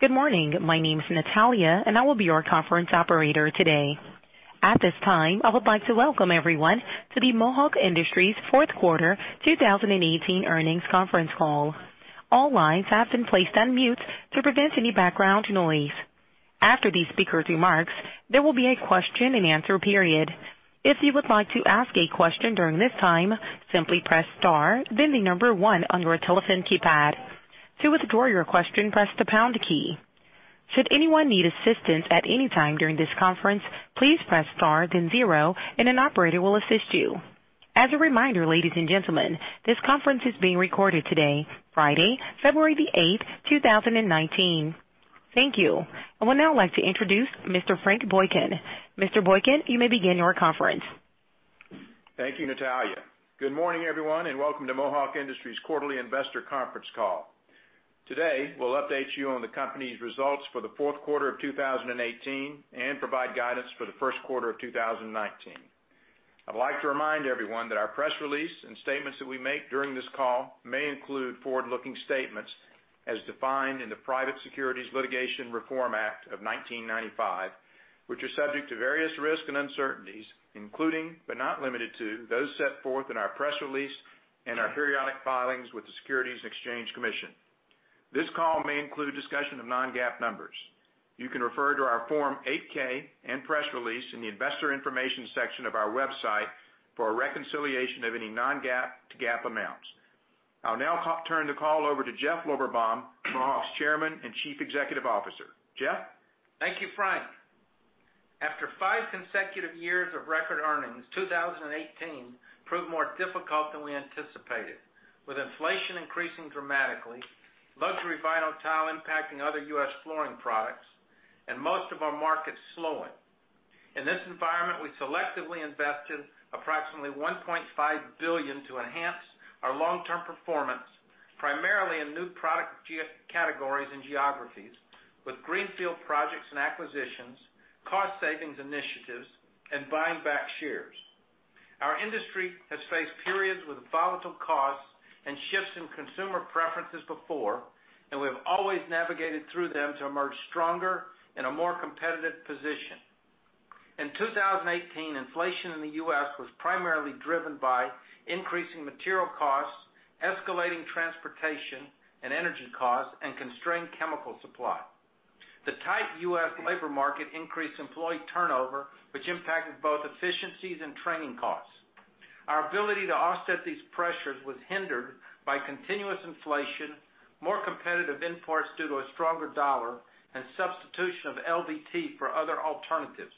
Good morning. My name is Natalia, and I will be your conference operator today. At this time, I would like to welcome everyone to the Mohawk Industries Fourth Quarter 2018 earnings conference call. All lines have been placed on mute to prevent any background noise. After the speakers' remarks, there will be a question-and-answer period. If you would like to ask a question during this time, simply press star, then the number one on your telephone keypad. To withdraw your question, press the pound key. Should anyone need assistance at any time during this conference, please press star, then zero, and an operator will assist you. As a reminder, ladies and gentlemen, this conference is being recorded today, Friday, February the 8th, 2019. Thank you. I would now like to introduce Mr. Frank Boykin. Mr. Boykin, you may begin your conference. Thank you, Natalia. Good morning, everyone, and welcome to Mohawk Industries quarterly investor conference call. Today, we will update you on the company's results for the fourth quarter of 2018 and provide guidance for the first quarter of 2019. I would like to remind everyone that our press release and statements that we make during this call may include forward-looking statements as defined in the Private Securities Litigation Reform Act of 1995, which are subject to various risks and uncertainties, including, but not limited to, those set forth in our press release and our periodic filings with the Securities and Exchange Commission. This call may include discussion of non-GAAP numbers. You can refer to our Form 8-K and press release in the investor information section of our website for a reconciliation of any non-GAAP to GAAP amounts. I will now turn the call over to Jeff Lorberbaum, Mohawk's Chairman and Chief Executive Officer. Jeff? Thank you, Frank. After five consecutive years of record earnings, 2018 proved more difficult than we anticipated. With inflation increasing dramatically, luxury vinyl tile impacting other U.S. flooring products, and most of our markets slowing. In this environment, we selectively invested approximately $1.5 billion to enhance our long-term performance, primarily in new product categories and geographies with greenfield projects and acquisitions, cost savings initiatives, and buying back shares. Our industry has faced periods with volatile costs and shifts in consumer preferences before, and we have always navigated through them to emerge stronger in a more competitive position. In 2018, inflation in the U.S. was primarily driven by increasing material costs, escalating transportation and energy costs, and constrained chemical supply. The tight U.S. labor market increased employee turnover, which impacted both efficiencies and training costs. Our ability to offset these pressures was hindered by continuous inflation, more competitive imports due to a stronger dollar, and substitution of LVT for other alternatives.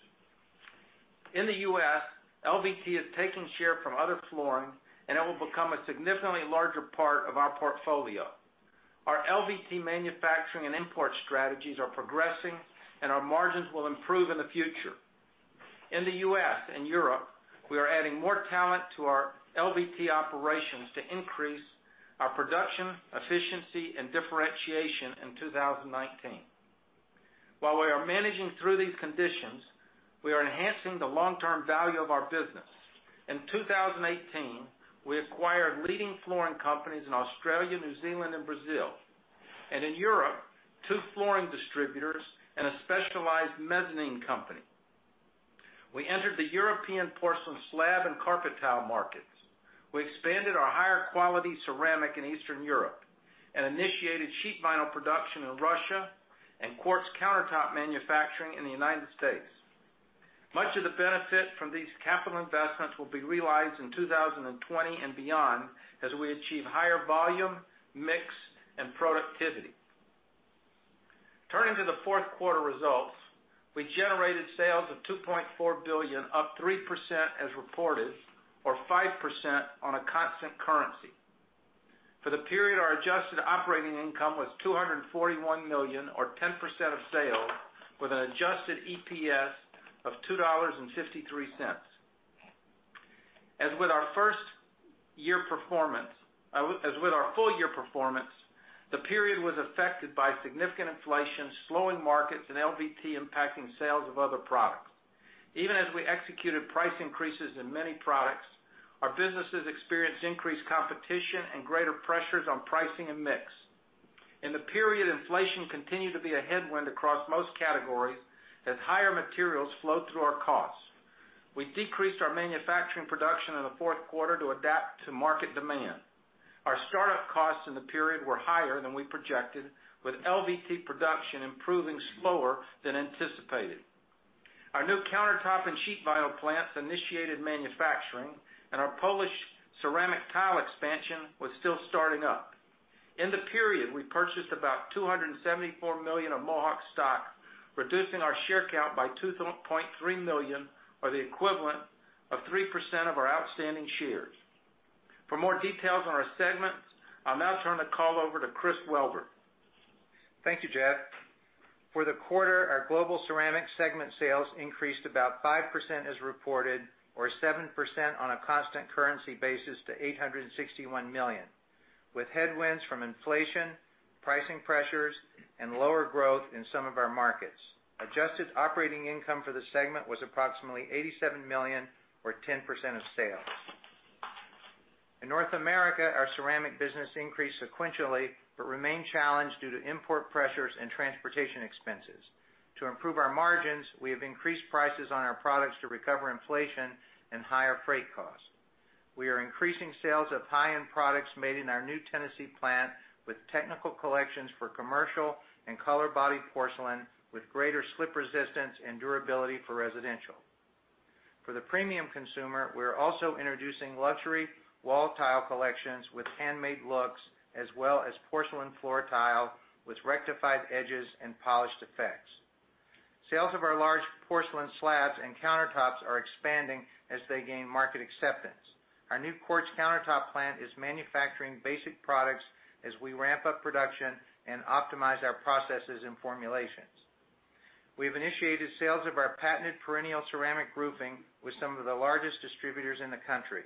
In the U.S., LVT is taking share from other flooring, and it will become a significantly larger part of our portfolio. Our LVT manufacturing and import strategies are progressing, and our margins will improve in the future. In the U.S. and Europe, we are adding more talent to our LVT operations to increase our production, efficiency, and differentiation in 2019. While we are managing through these conditions, we are enhancing the long-term value of our business. In 2018, we acquired leading flooring companies in Australia, New Zealand, and Brazil. In Europe, two flooring distributors and a specialized mezzanine company. We entered the European porcelain slab and carpet tile markets. We expanded our higher quality ceramic in Eastern Europe and initiated sheet vinyl production in Russia and quartz countertop manufacturing in the United States. Much of the benefit from these capital investments will be realized in 2020 and beyond as we achieve higher volume, mix, and productivity. Turning to the fourth quarter results, we generated sales of $2.4 billion, up 3% as reported, or 5% on a constant currency. For the period, our adjusted operating income was $241 million or 10% of sales, with an adjusted EPS of $2.53. As with our full-year performance, the period was affected by significant inflation, slowing markets, and LVT impacting sales of other products. Even as we executed price increases in many products, our businesses experienced increased competition and greater pressures on pricing and mix. In the period, inflation continued to be a headwind across most categories as higher materials flowed through our costs. We decreased our manufacturing production in the fourth quarter to adapt to market demand. Our startup costs in the period were higher than we projected, with LVT production improving slower than anticipated. Our new countertop and sheet vinyl plants initiated manufacturing, our polished ceramic tile expansion was still starting up. In the period, we purchased about $274 million of Mohawk stock, reducing our share count by 2.3 million or the equivalent of 3% of our outstanding shares. For more details on our segments, I'll now turn the call over to Chris Wellborn. Thank you, Jeff. For the quarter, our Global Ceramic segment sales increased about 5% as reported or 7% on a constant currency basis to $861 million, with headwinds from inflation, pricing pressures, and lower growth in some of our markets. Adjusted operating income for the segment was approximately $87 million or 10% of sales. In North America, our ceramic business increased sequentially, remained challenged due to import pressures and transportation expenses. To improve our margins, we have increased prices on our products to recover inflation and higher freight costs. We are increasing sales of high-end products made in our new Tennessee plant with technical collections for commercial and color body porcelain, with greater slip resistance and durability for residential. For the premium consumer, we're also introducing luxury wall tile collections with handmade looks, as well as porcelain floor tile with rectified edges and polished effects. Sales of our large porcelain slabs and countertops are expanding as they gain market acceptance. Our new quartz countertop plant is manufacturing basic products as we ramp up production and optimize our processes and formulations. We have initiated sales of our patented perennial ceramic roofing with some of the largest distributors in the country.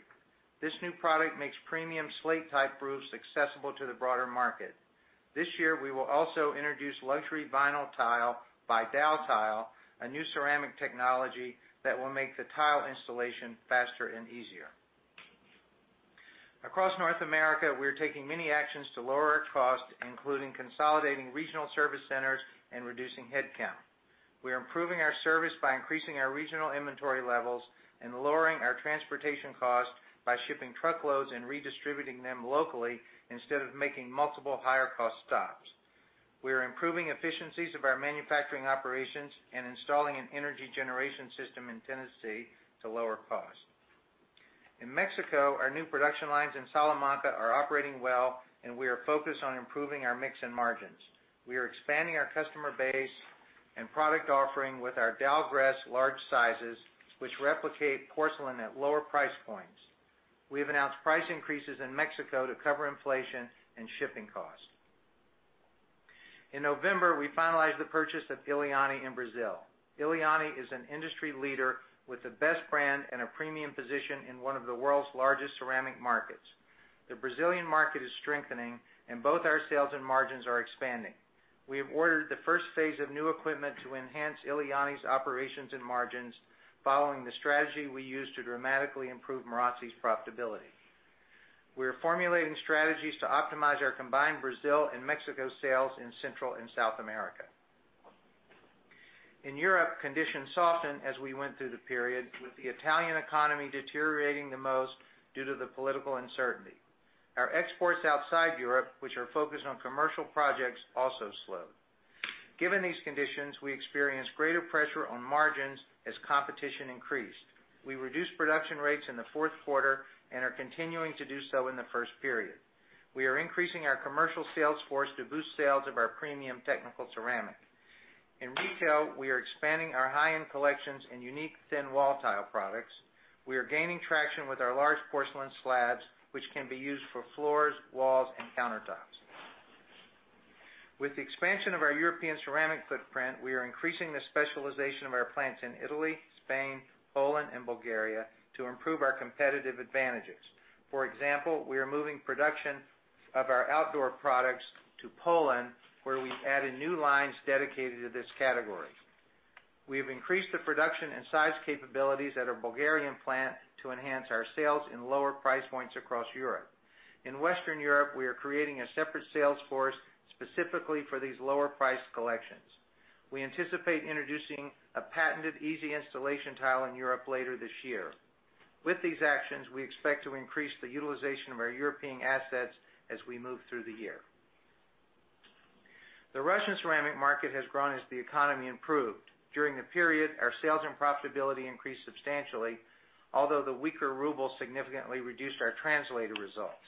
This new product makes premium slate-type roofs accessible to the broader market. This year, we will also introduce luxury vinyl tile by Daltile, a new ceramic technology that will make the tile installation faster and easier. Across North America, we are taking many actions to lower our cost, including consolidating regional service centers and reducing headcount. We are improving our service by increasing our regional inventory levels and lowering our transportation cost by shipping truckloads and redistributing them locally instead of making multiple higher-cost stops. We are improving efficiencies of our manufacturing operations and installing an energy generation system in Tennessee to lower cost. In Mexico, our new production lines in Salamanca are operating well, and we are focused on improving our mix and margins. We are expanding our customer base and product offering with our Dalgres large sizes, which replicate porcelain at lower price points. We have announced price increases in Mexico to cover inflation and shipping costs. In November, we finalized the purchase of Eliane in Brazil. Eliane is an industry leader with the best brand and a premium position in one of the world's largest ceramic markets. The Brazilian market is strengthening, and both our sales and margins are expanding. We have ordered the first phase of new equipment to enhance Eliane's operations and margins following the strategy we used to dramatically improve Marazzi's profitability. We are formulating strategies to optimize our combined Brazil and Mexico sales in Central and South America. In Europe, conditions softened as we went through the period, with the Italian economy deteriorating the most due to the political uncertainty. Our exports outside Europe, which are focused on commercial projects, also slowed. Given these conditions, we experienced greater pressure on margins as competition increased. We reduced production rates in the fourth quarter and are continuing to do so in the first period. We are increasing our commercial sales force to boost sales of our premium technical ceramic. In retail, we are expanding our high-end collections and unique thin wall tile products. We are gaining traction with our large porcelain slabs, which can be used for floors, walls, and countertops. With the expansion of our European ceramic footprint, we are increasing the specialization of our plants in Italy, Spain, Poland, and Bulgaria to improve our competitive advantages. For example, we are moving production of our outdoor products to Poland, where we added new lines dedicated to this category. We have increased the production and size capabilities at our Bulgarian plant to enhance our sales in lower price points across Europe. In Western Europe, we are creating a separate sales force specifically for these lower-priced collections. We anticipate introducing a patented easy installation tile in Europe later this year. With these actions, we expect to increase the utilization of our European assets as we move through the year. The Russian ceramic market has grown as the economy improved. During the period, our sales and profitability increased substantially, although the weaker ruble significantly reduced our translated results.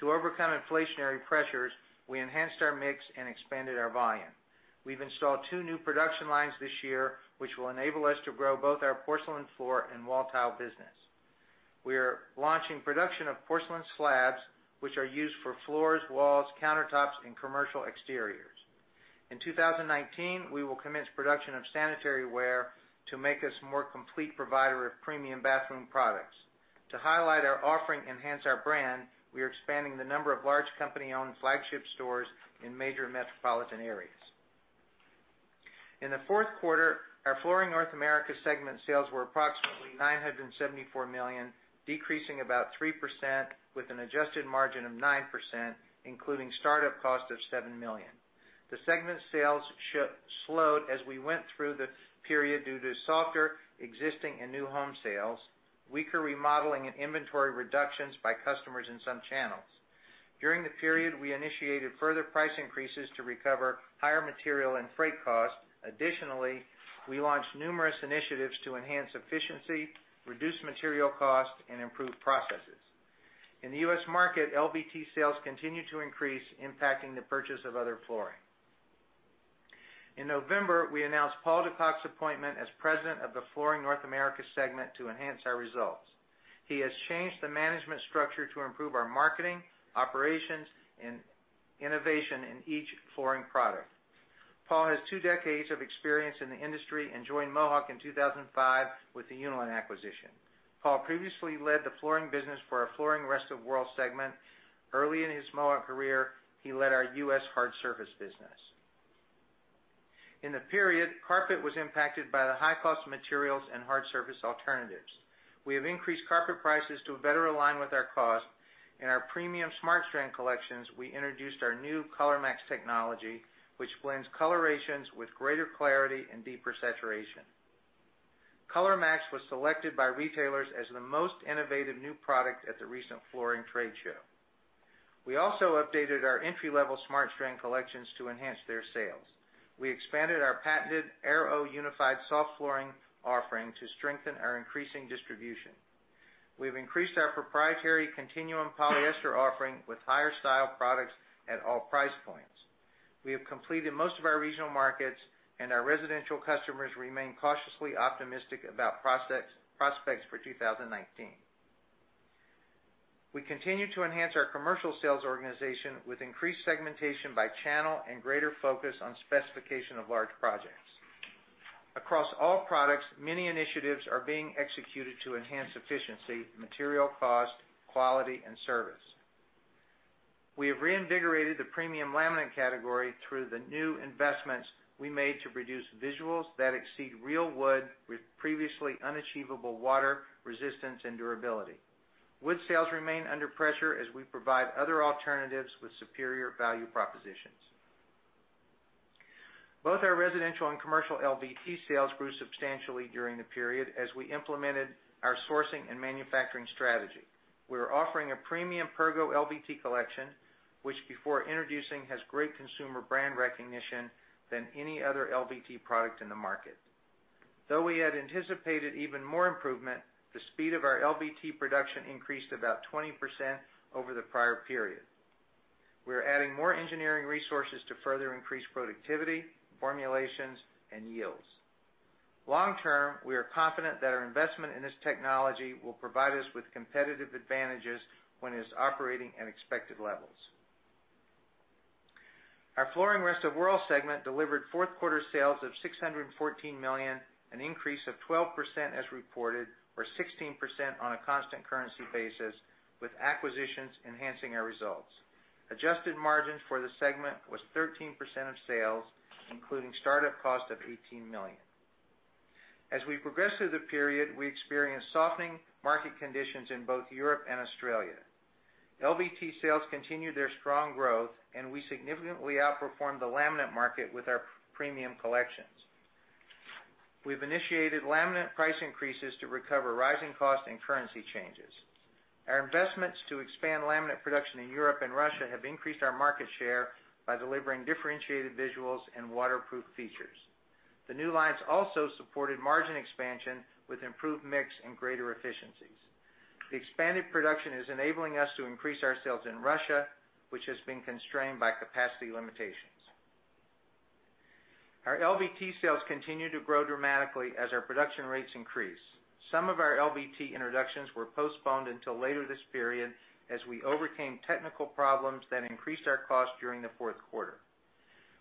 To overcome inflationary pressures, we enhanced our mix and expanded our volume. We've installed two new production lines this year, which will enable us to grow both our porcelain floor and wall tile business. We are launching production of porcelain slabs, which are used for floors, walls, countertops, and commercial exteriors. In 2019, we will commence production of sanitary ware to make us a more complete provider of premium bathroom products. To highlight our offering, enhance our brand, we are expanding the number of large company-owned flagship stores in major metropolitan areas. In the fourth quarter, our Flooring North America segment sales were approximately $974 million, decreasing about 3%, with an adjusted margin of 9%, including startup cost of $7 million. The segment sales slowed as we went through the period due to softer existing and new home sales, weaker remodeling, and inventory reductions by customers in some channels. During the period, we initiated further price increases to recover higher material and freight costs. Additionally, we launched numerous initiatives to enhance efficiency, reduce material cost, and improve processes. In the U.S. market, LVT sales continue to increase, impacting the purchase of other flooring. In November, we announced Paul De Cock's appointment as president of the Flooring North America segment to enhance our results. He has changed the management structure to improve our marketing, operations, and innovation in each flooring product. Paul has two decades of experience in the industry and joined Mohawk in 2005 with the Unilin acquisition. Paul previously led the flooring business for our Flooring Rest of the World segment. Early in his Mohawk career, he led our U.S. hard surface business. In the period, carpet was impacted by the high cost of materials and hard surface alternatives. We have increased carpet prices to better align with our cost. In our premium SmartStrand collections, we introduced our new ColorMax technology, which blends colorations with greater clarity and deeper saturation. ColorMax was selected by retailers as the most innovative new product at the recent flooring trade show. We also updated our entry-level SmartStrand collections to enhance their sales. We expanded our patented Air.o unified soft flooring offering to strengthen our increasing distribution. We have increased our proprietary Continuum polyester offering with higher style products at all price points. We have completed most of our regional markets, and our residential customers remain cautiously optimistic about prospects for 2019. We continue to enhance our commercial sales organization with increased segmentation by channel and greater focus on specification of large projects. Across all products, many initiatives are being executed to enhance efficiency, material cost, quality, and service. We have reinvigorated the premium laminate category through the new investments we made to produce visuals that exceed real wood with previously unachievable water resistance and durability. Wood sales remain under pressure as we provide other alternatives with superior value propositions. Both our residential and commercial LVT sales grew substantially during the period as we implemented our sourcing and manufacturing strategy. We are offering a premium Pergo LVT collection, which before introducing has great consumer brand recognition than any other LVT product in the market. Though we had anticipated even more improvement, the speed of our LVT production increased about 20% over the prior period. We are adding more engineering resources to further increase productivity, formulations, and yields. Long term, we are confident that our investment in this technology will provide us with competitive advantages when it is operating at expected levels. Our Flooring Rest of the World segment delivered fourth quarter sales of $614 million, an increase of 12% as reported, or 16% on a constant currency basis, with acquisitions enhancing our results. Adjusted margins for the segment was 13% of sales, including startup cost of $18 million. As we progress through the period, we experienced softening market conditions in both Europe and Australia. LVT sales continued their strong growth, and we significantly outperformed the laminate market with our premium collections. We've initiated laminate price increases to recover rising costs and currency changes. Our investments to expand laminate production in Europe and Russia have increased our market share by delivering differentiated visuals and waterproof features. The new lines also supported margin expansion with improved mix and greater efficiencies. The expanded production is enabling us to increase our sales in Russia, which has been constrained by capacity limitations. Our LVT sales continue to grow dramatically as our production rates increase. Some of our LVT introductions were postponed until later this period, as we overcame technical problems that increased our cost during the fourth quarter.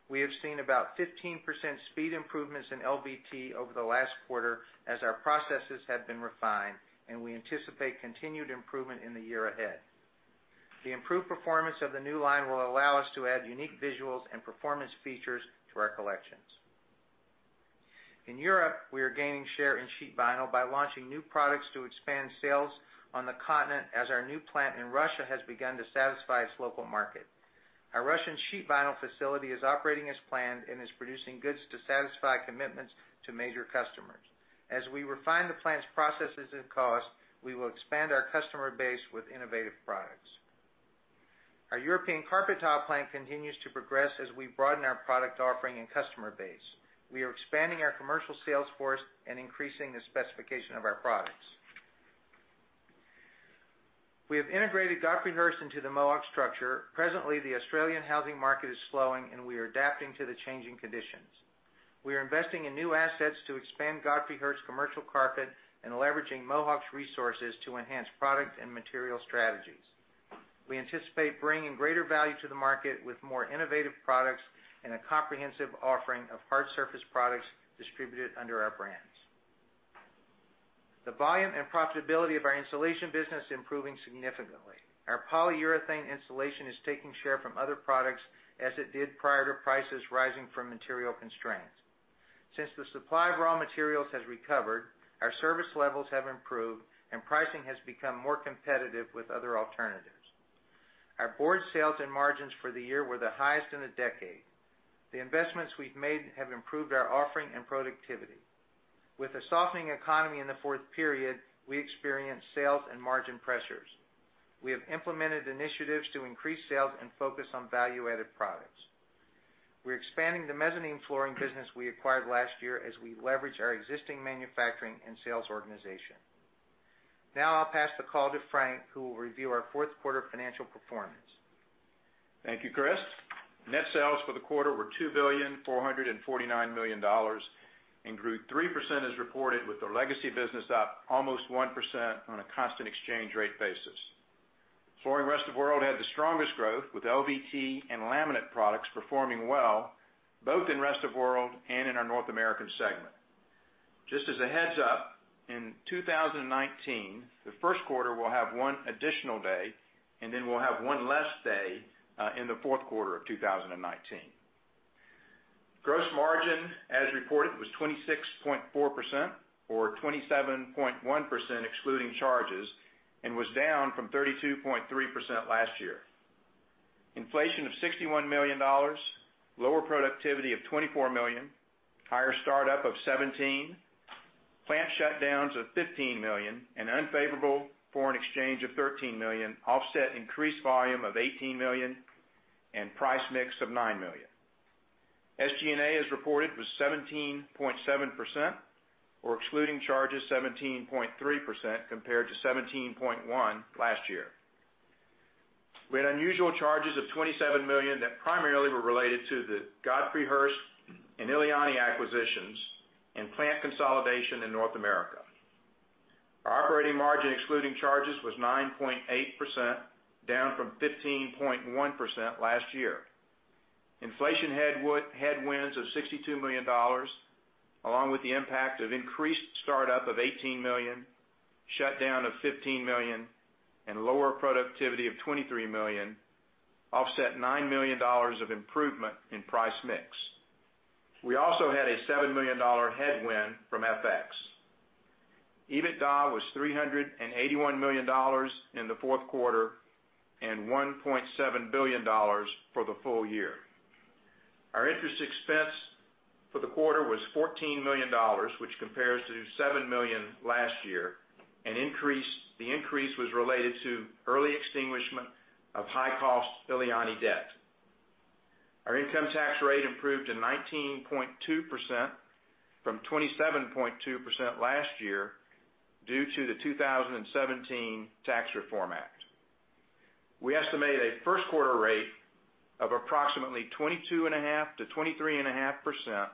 We have seen about 15% speed improvements in LVT over the last quarter as our processes have been refined, and we anticipate continued improvement in the year ahead. The improved performance of the new line will allow us to add unique visuals and performance features to our collections. In Europe, we are gaining share in sheet vinyl by launching new products to expand sales on the continent as our new plant in Russia has begun to satisfy its local market. Our Russian sheet vinyl facility is operating as planned and is producing goods to satisfy commitments to major customers. As we refine the plant's processes and cost, we will expand our customer base with innovative products. Our European carpet tile plant continues to progress as we broaden our product offering and customer base. We are expanding our commercial sales force and increasing the specification of our products. We have integrated Godfrey Hirst into the Mohawk structure. Presently, the Australian housing market is slowing, and we are adapting to the changing conditions. We are investing in new assets to expand Godfrey Hirst commercial carpet and leveraging Mohawk's resources to enhance product and material strategies. We anticipate bringing greater value to the market with more innovative products and a comprehensive offering of hard surface products distributed under our brands. The volume and profitability of our installation business is improving significantly. Our polyurethane installation is taking share from other products as it did prior to prices rising from material constraints. Since the supply of raw materials has recovered, our service levels have improved, and pricing has become more competitive with other alternatives. Our board sales and margins for the year were the highest in a decade. The investments we've made have improved our offering and productivity. With a softening economy in the fourth period, we experienced sales and margin pressures. We have implemented initiatives to increase sales and focus on value-added products. We're expanding the mezzanine flooring business we acquired last year as we leverage our existing manufacturing and sales organization. Now I'll pass the call to Frank, who will review our fourth quarter financial performance. Thank you, Chris. Net sales for the quarter were $2.449 billion and grew 3% as reported with the legacy business up almost 1% on a constant exchange rate basis. Flooring Rest of the World had the strongest growth with LVT and laminate products performing well both in Rest of the World and in our North America segment. Just as a heads-up, in 2019, the first quarter will have one additional day, then we'll have one less day in the fourth quarter of 2019. Gross margin, as reported, was 26.4%, or 27.1% excluding charges, and was down from 32.3% last year. Inflation of $61 million, lower productivity of $24 million, higher startup of $17 million, plant shutdowns of $15 million, and unfavorable foreign exchange of $13 million offset increased volume of $18 million and price mix of $9 million. SG&A, as reported, was 17.7%, or excluding charges, 17.3% compared to 17.1% last year. We had unusual charges of $27 million that primarily were related to the Godfrey Hirst and Eliane acquisitions and plant consolidation in North America. Our operating margin, excluding charges, was 9.8%, down from 15.1% last year. Inflation headwinds of $62 million, along with the impact of increased startup of $18 million, shutdown of $15 million, and lower productivity of $23 million, offset $9 million of improvement in price mix. We also had a $7 million headwind from FX. EBITDA was $381 million in the fourth quarter and $1.7 billion for the full year. Our interest expense for the quarter was $14 million, which compares to $7 million last year. The increase was related to early extinguishment of high-cost Eliane debt. Our income tax rate improved to 19.2% from 27.2% last year due to the 2017 Tax Reform Act. We estimate a first-quarter rate of approximately 22.5%-23.5%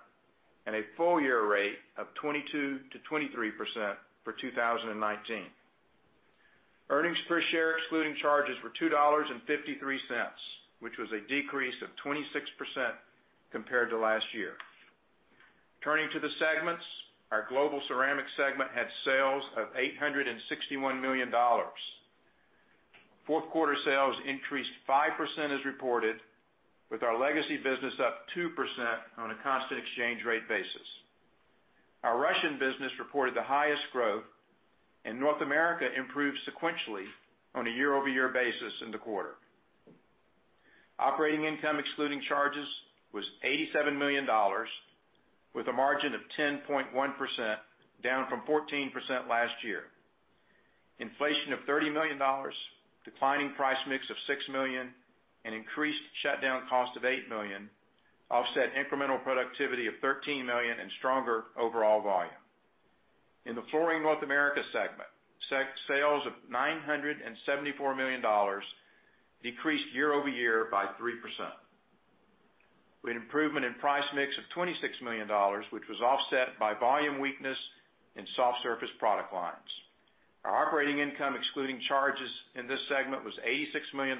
and a full-year rate of 22%-23% for 2019. Earnings per share excluding charges were $2.53, which was a decrease of 26% compared to last year. Turning to the segments, our Global Ceramic segment had sales of $861 million. Fourth-quarter sales increased 5% as reported, with our legacy business up 2% on a constant exchange rate basis. Our Russian business reported the highest growth, and North America improved sequentially on a year-over-year basis in the quarter. Operating income excluding charges was $87 million, with a margin of 10.1%, down from 14% last year. Inflation of $30 million, declining price mix of $6 million, and increased shutdown cost of $8 million offset incremental productivity of $13 million and stronger overall volume. In the Flooring North America segment, sales of $974 million decreased year-over-year by 3%. We had improvement in price mix of $26 million, which was offset by volume weakness in soft surface product lines. Our operating income excluding charges in this segment was $86 million,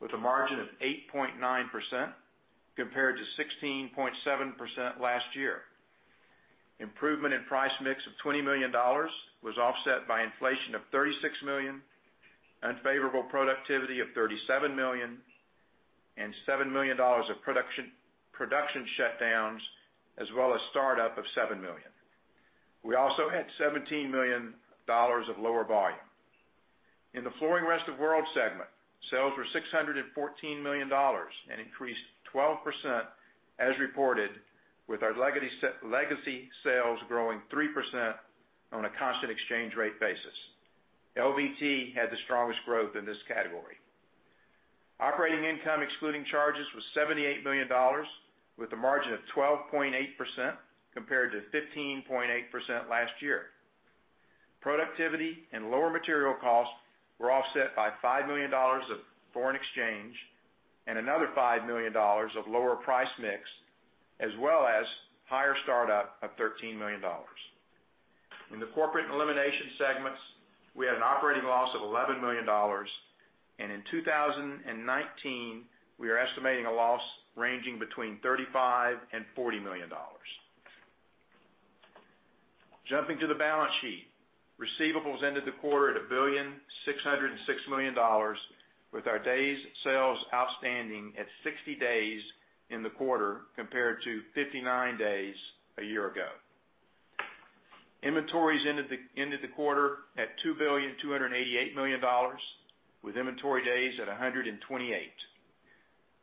with a margin of 8.9% compared to 16.7% last year. Improvement in price mix of $20 million was offset by inflation of $36 million, unfavorable productivity of $37 million, and $7 million of production shutdowns, as well as startup of $7 million. We also had $17 million of lower volume. In the Flooring Rest of the World segment, sales were $614 million and increased 12% as reported, with our legacy sales growing 3% on a constant exchange rate basis. LVT had the strongest growth in this category. Operating income excluding charges was $78 million, with a margin of 12.8% compared to 15.8% last year. Productivity and lower material costs were offset by $5 million of foreign exchange and another $5 million of lower price mix, as well as higher startup of $13 million. In the Corporate and Elimination segments, we had an operating loss of $11 million, and in 2019, we are estimating a loss ranging between $35 million and $40 million. Jumping to the balance sheet, receivables ended the quarter at $1,606 billion with our days sales outstanding at 60 days in the quarter, compared to 59 days a year ago. Inventories ended the quarter at $2,288 billion with inventory days at 128.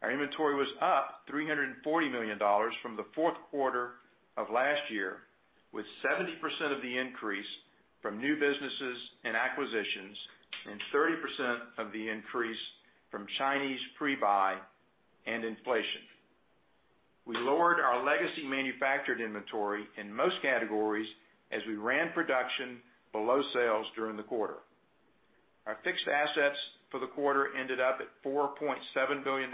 Our inventory was up $340 million from the fourth quarter of last year, with 70% of the increase from new businesses and acquisitions and 30% of the increase from Chinese pre-buy and inflation. We lowered our legacy manufactured inventory in most categories as we ran production below sales during the quarter. Our fixed assets for the quarter ended up at $4.7 billion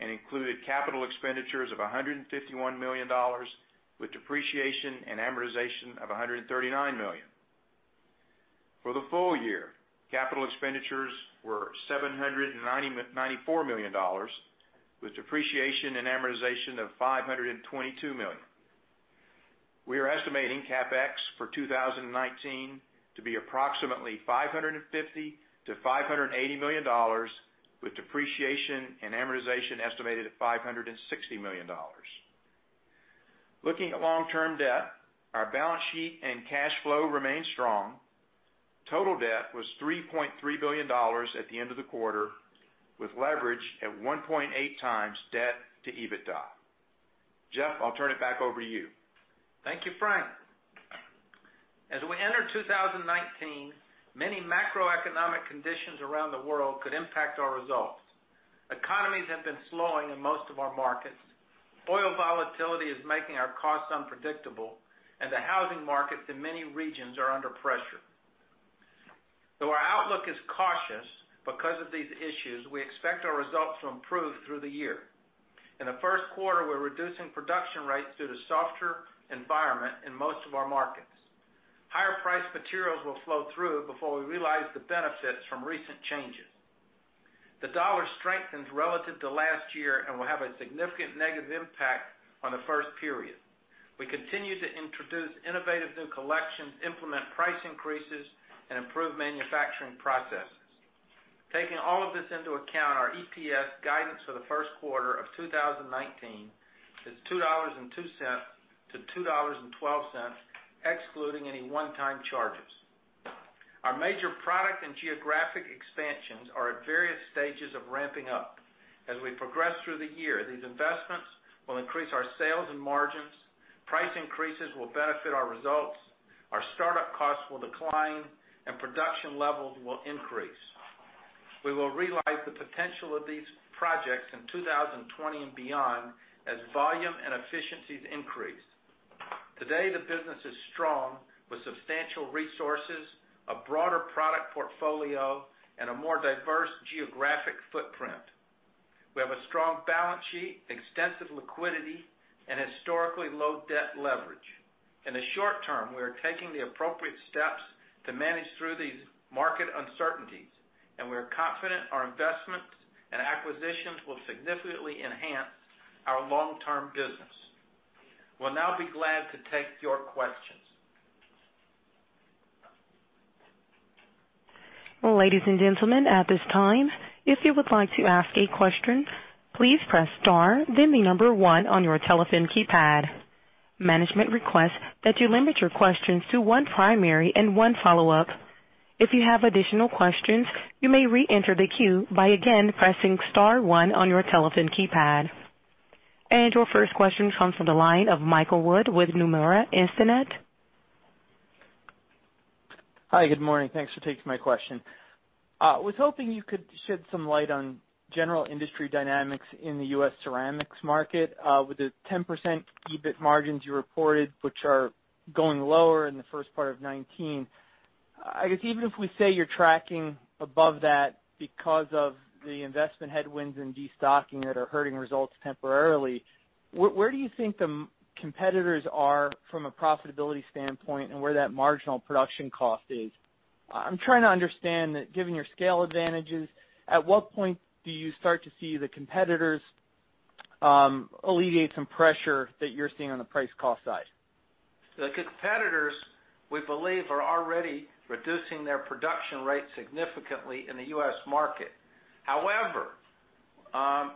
and included capital expenditures of $151 million, with depreciation and amortization of $139 million. For the full year, capital expenditures were $794 million, with depreciation and amortization of $522 million. We are estimating CapEx for 2019 to be approximately $550 million-$580 million, with depreciation and amortization estimated at $560 million. Looking at long-term debt, our balance sheet and cash flow remain strong. Total debt was $3.3 billion at the end of the quarter, with leverage at 1.8x debt to EBITDA. Jeff, I'll turn it back over to you. Thank you, Frank. As we enter 2019, many macroeconomic conditions around the world could impact our results. Economies have been slowing in most of our markets. Oil volatility is making our costs unpredictable, and the housing markets in many regions are under pressure. Though our outlook is cautious because of these issues, we expect our results to improve through the year. In the first quarter, we're reducing production rates due to softer environment in most of our markets. Higher priced materials will flow through before we realize the benefits from recent changes. The dollar strengthens relative to last year and will have a significant negative impact on the first period. We continue to introduce innovative new collections, implement price increases, and improve manufacturing processes. Taking all of this into account, our EPS guidance for the first quarter of 2019 is $2.02 to $2.12, excluding any one-time charges. Our major product and geographic expansions are at various stages of ramping up. As we progress through the year, these investments will increase our sales and margins, price increases will benefit our results, our startup costs will decline, and production levels will increase. We will realize the potential of these projects in 2020 and beyond as volume and efficiencies increase. Today, the business is strong, with substantial resources, a broader product portfolio, and a more diverse geographic footprint. We have a strong balance sheet, extensive liquidity, and historically low debt leverage. In the short term, we are taking the appropriate steps to manage through these market uncertainties, and we are confident our investments and acquisitions will significantly enhance our long-term business. We'll now be glad to take your questions. Ladies and gentlemen, at this time, if you would like to ask a question, please press star then the number one on your telephone keypad. Management requests that you limit your questions to one primary and one follow-up. If you have additional questions, you may re-enter the queue by again pressing star one on your telephone keypad. Your first question comes from the line of Michael Wood with Nomura Instinet. Hi, good morning. Thanks for taking my question. I was hoping you could shed some light on general industry dynamics in the U.S. ceramics market, with the 10% EBIT margins you reported, which are going lower in the first part of 2019. I guess even if we say you're tracking above that because of the investment headwinds and destocking that are hurting results temporarily, where do you think the competitors are from a profitability standpoint and where that marginal production cost is? I'm trying to understand that given your scale advantages, at what point do you start to see the competitors alleviate some pressure that you're seeing on the price cost side? The competitors, we believe, are already reducing their production rate significantly in the U.S. market. However, about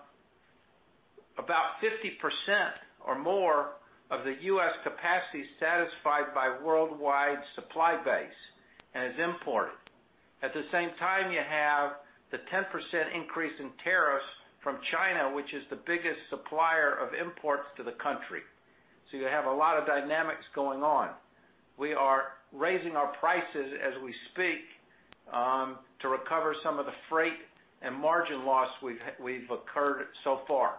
50% or more of the U.S. capacity is satisfied by worldwide supply base and is imported. At the same time, you have the 10% increase in tariffs from China, which is the biggest supplier of imports to the country. You have a lot of dynamics going on. We are raising our prices as we speak to recover some of the freight and margin loss we've occurred so far.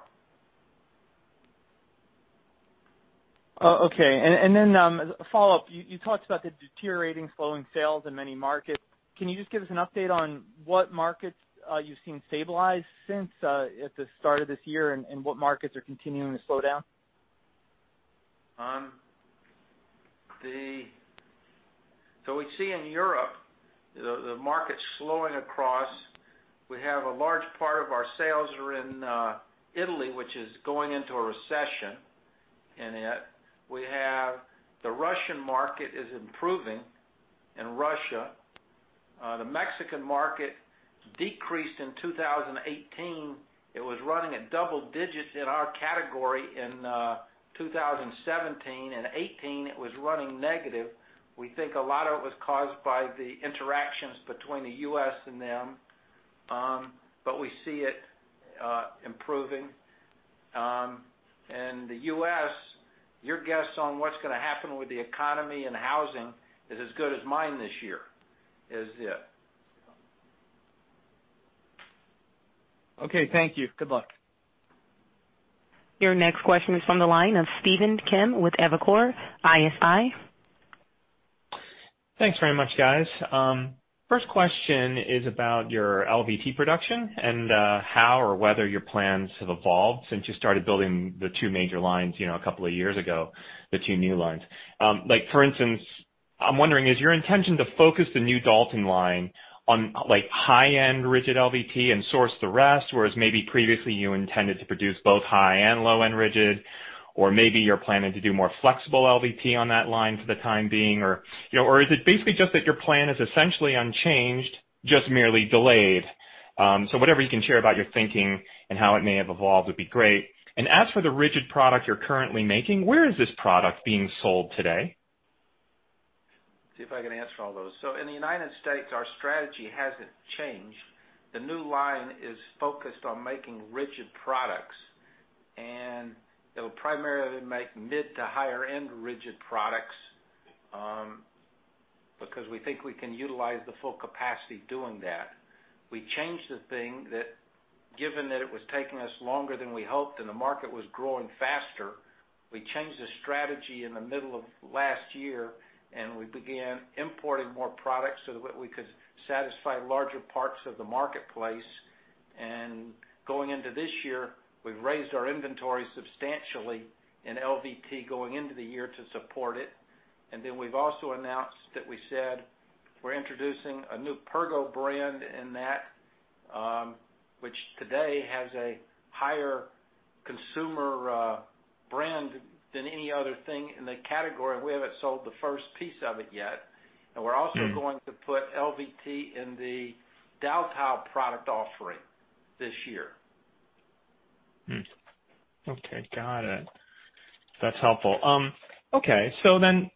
Okay. As a follow-up, you talked about the deteriorating, slowing sales in many markets. Can you just give us an update on what markets you've seen stabilize since at the start of this year and what markets are continuing to slow down? We see in Europe, the market's slowing across. We have a large part of our sales are in Italy, which is going into a recession. Yet we have the Russian market is improving in Russia. The Mexican market decreased in 2018. It was running at double digits in our category in 2017. In 2018, it was running negative. We think a lot of it was caused by the interactions between the U.S. and them, but we see it improving. In the U.S., your guess on what's gonna happen with the economy and housing is as good as mine this year, is it? Okay, thank you. Good luck. Your next question is from the line of Stephen Kim with Evercore ISI. Thanks very much, guys. First question is about your LVT production and how or whether your plans have evolved since you started building the two major lines a couple of years ago, the two new lines. For instance, I'm wondering, is your intention to focus the new Daltile line on high-end rigid LVT and source the rest, whereas maybe previously you intended to produce both high and low-end rigid? Or maybe you're planning to do more flexible LVT on that line for the time being, or is it basically just that your plan is essentially unchanged, just merely delayed? Whatever you can share about your thinking and how it may have evolved would be great. And as for the rigid product you're currently making, where is this product being sold today? See if I can answer all those. In the United States, our strategy hasn't changed. The new line is focused on making rigid products, and it'll primarily make mid- to higher-end rigid products, because we think we can utilize the full capacity doing that. We changed the thing that, given that it was taking us longer than we hoped and the market was growing faster, we changed the strategy in the middle of last year, and we began importing more products so that we could satisfy larger parts of the marketplace. Going into this year, we've raised our inventory substantially in LVT going into the year to support it. We've also announced that we said we're introducing a new Pergo brand in that, which today has a higher consumer brand than any other thing in the category, and we haven't sold the first piece of it yet. We're also going to put LVT in the Daltile product offering this year. Okay, got it. That's helpful. Okay,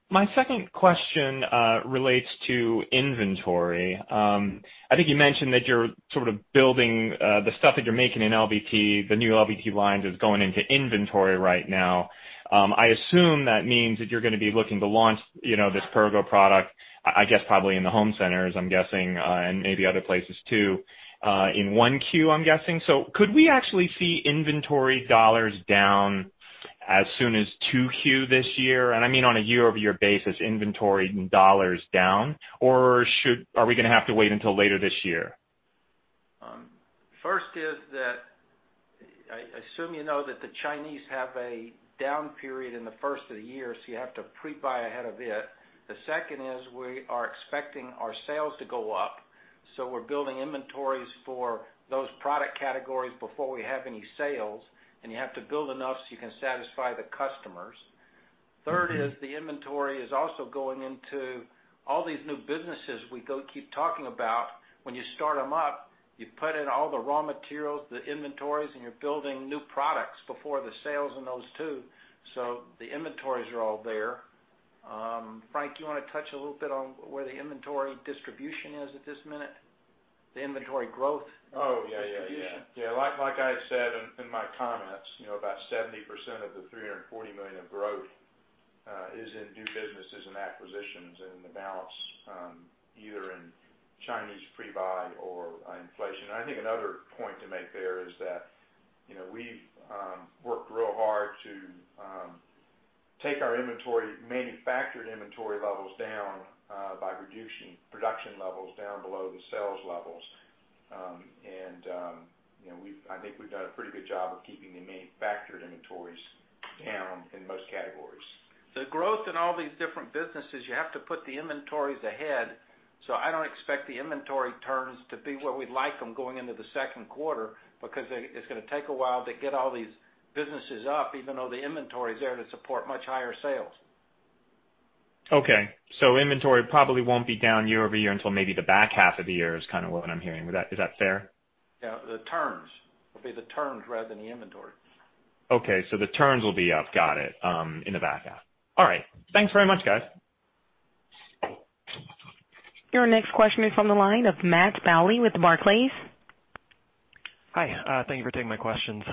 my second question relates to inventory. I think you mentioned that you're sort of building the stuff that you're making in LVT, the new LVT lines is going into inventory right now. I assume that means that you're going to be looking to launch this Pergo product, I guess, probably in the home centers, I'm guessing, and maybe other places too, in 1Q, I'm guessing. Could we actually see inventory dollars down as soon as 2Q this year? On a year-over-year basis, inventory dollars down, or are we going to have to wait until later this year? First is that I assume you know that the Chinese have a down period in the first of the year, you have to pre-buy ahead of it. The second is we are expecting our sales to go up, we're building inventories for those product categories before we have any sales, you have to build enough so you can satisfy the customers. Third is the inventory is also going into all these new businesses we keep talking about. When you start them up, you put in all the raw materials, the inventories, and you're building new products before the sales in those, too. The inventories are all there. Frank, do you want to touch a little bit on where the inventory distribution is at this minute? The inventory growth distribution. Oh, yeah. Like I said in my comments, about 70% of the $340 million of growth is in new businesses and acquisitions, and the balance either in Chinese pre-buy or inflation. I think another point to make there is that we've worked real hard to take our manufactured inventory levels down by reducing production levels down below the sales levels. I think we've done a pretty good job of keeping the manufactured inventories down in most categories. The growth in all these different businesses, you have to put the inventories ahead. I don't expect the inventory turns to be where we'd like them going into the second quarter because it's going to take a while to get all these businesses up, even though the inventory is there to support much higher sales. Okay. Inventory probably won't be down year-over-year until maybe the back half of the year is kind of what I'm hearing. Is that fair? Yeah, the turns. It'll be the turns rather than the inventory. Okay, the turns will be up. Got it. In the back half. All right. Thanks very much, guys. Your next question is from the line of Matt Bouley with Barclays. Hi. Thank you for taking my questions.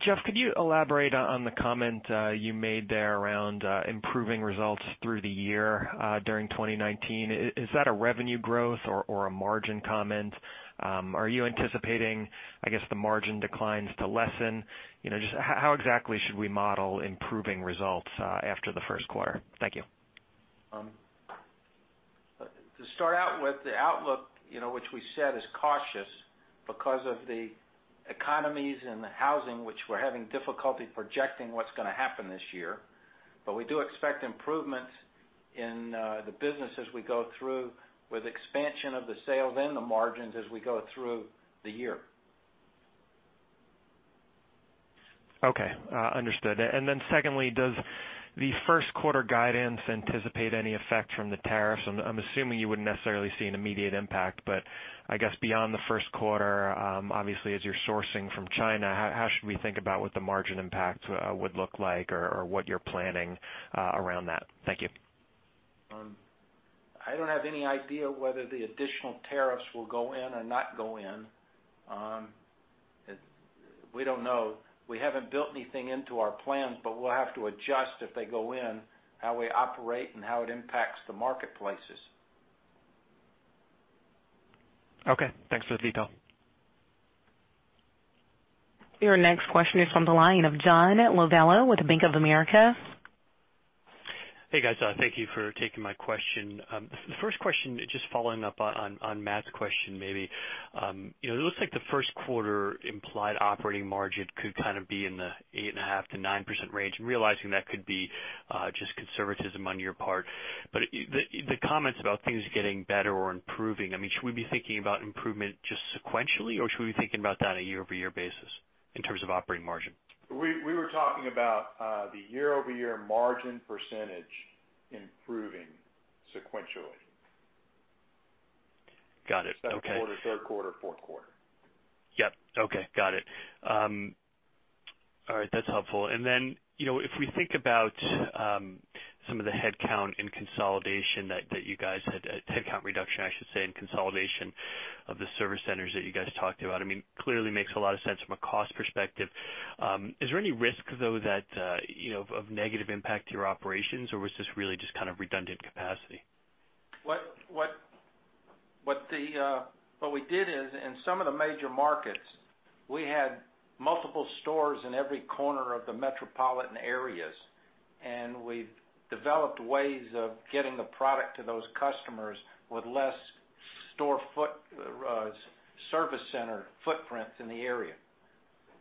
Jeff, could you elaborate on the comment you made there around improving results through the year during 2019? Is that a revenue growth or a margin comment? Are you anticipating, I guess, the margin declines to lessen? Just how exactly should we model improving results after the first quarter? Thank you. To start out with the outlook, which we said is cautious because of the economies and the housing, which we're having difficulty projecting what's going to happen this year. We do expect improvements in the business as we go through with expansion of the sales and the margins as we go through the year. Okay. Understood. Secondly, does the first quarter guidance anticipate any effect from the tariffs? I'm assuming you wouldn't necessarily see an immediate impact, but I guess beyond the first quarter, obviously as you're sourcing from China, how should we think about what the margin impact would look like or what you're planning around that? Thank you. I don't have any idea whether the additional tariffs will go in or not go in. We don't know. We haven't built anything into our plans. We'll have to adjust if they go in, how we operate and how it impacts the marketplaces. Okay. Thanks for the detail. Your next question is from the line of John Lovallo with Bank of America. Hey, guys. Thank you for taking my question. The first question, just following up on Matt's question, maybe. It looks like the first quarter implied operating margin could kind of be in the 8.5%-9% range, realizing that could be just conservatism on your part. The comments about things getting better or improving, should we be thinking about improvement just sequentially, or should we be thinking about that a year-over-year basis in terms of operating margin? We were talking about the year-over-year margin percentage improving sequentially. Got it. Okay. Second quarter, third quarter, fourth quarter. Yep. Okay. Got it. All right, that's helpful. If we think about some of the headcount reduction, I should say, and consolidation of the service centers that you guys talked about, clearly makes a lot of sense from a cost perspective. Is there any risk, though, of negative impact to your operations, or was this really just kind of redundant capacity? What we did is, in some of the major markets, we had multiple stores in every corner of the metropolitan areas, and we've developed ways of getting the product to those customers with less service center footprints in the area.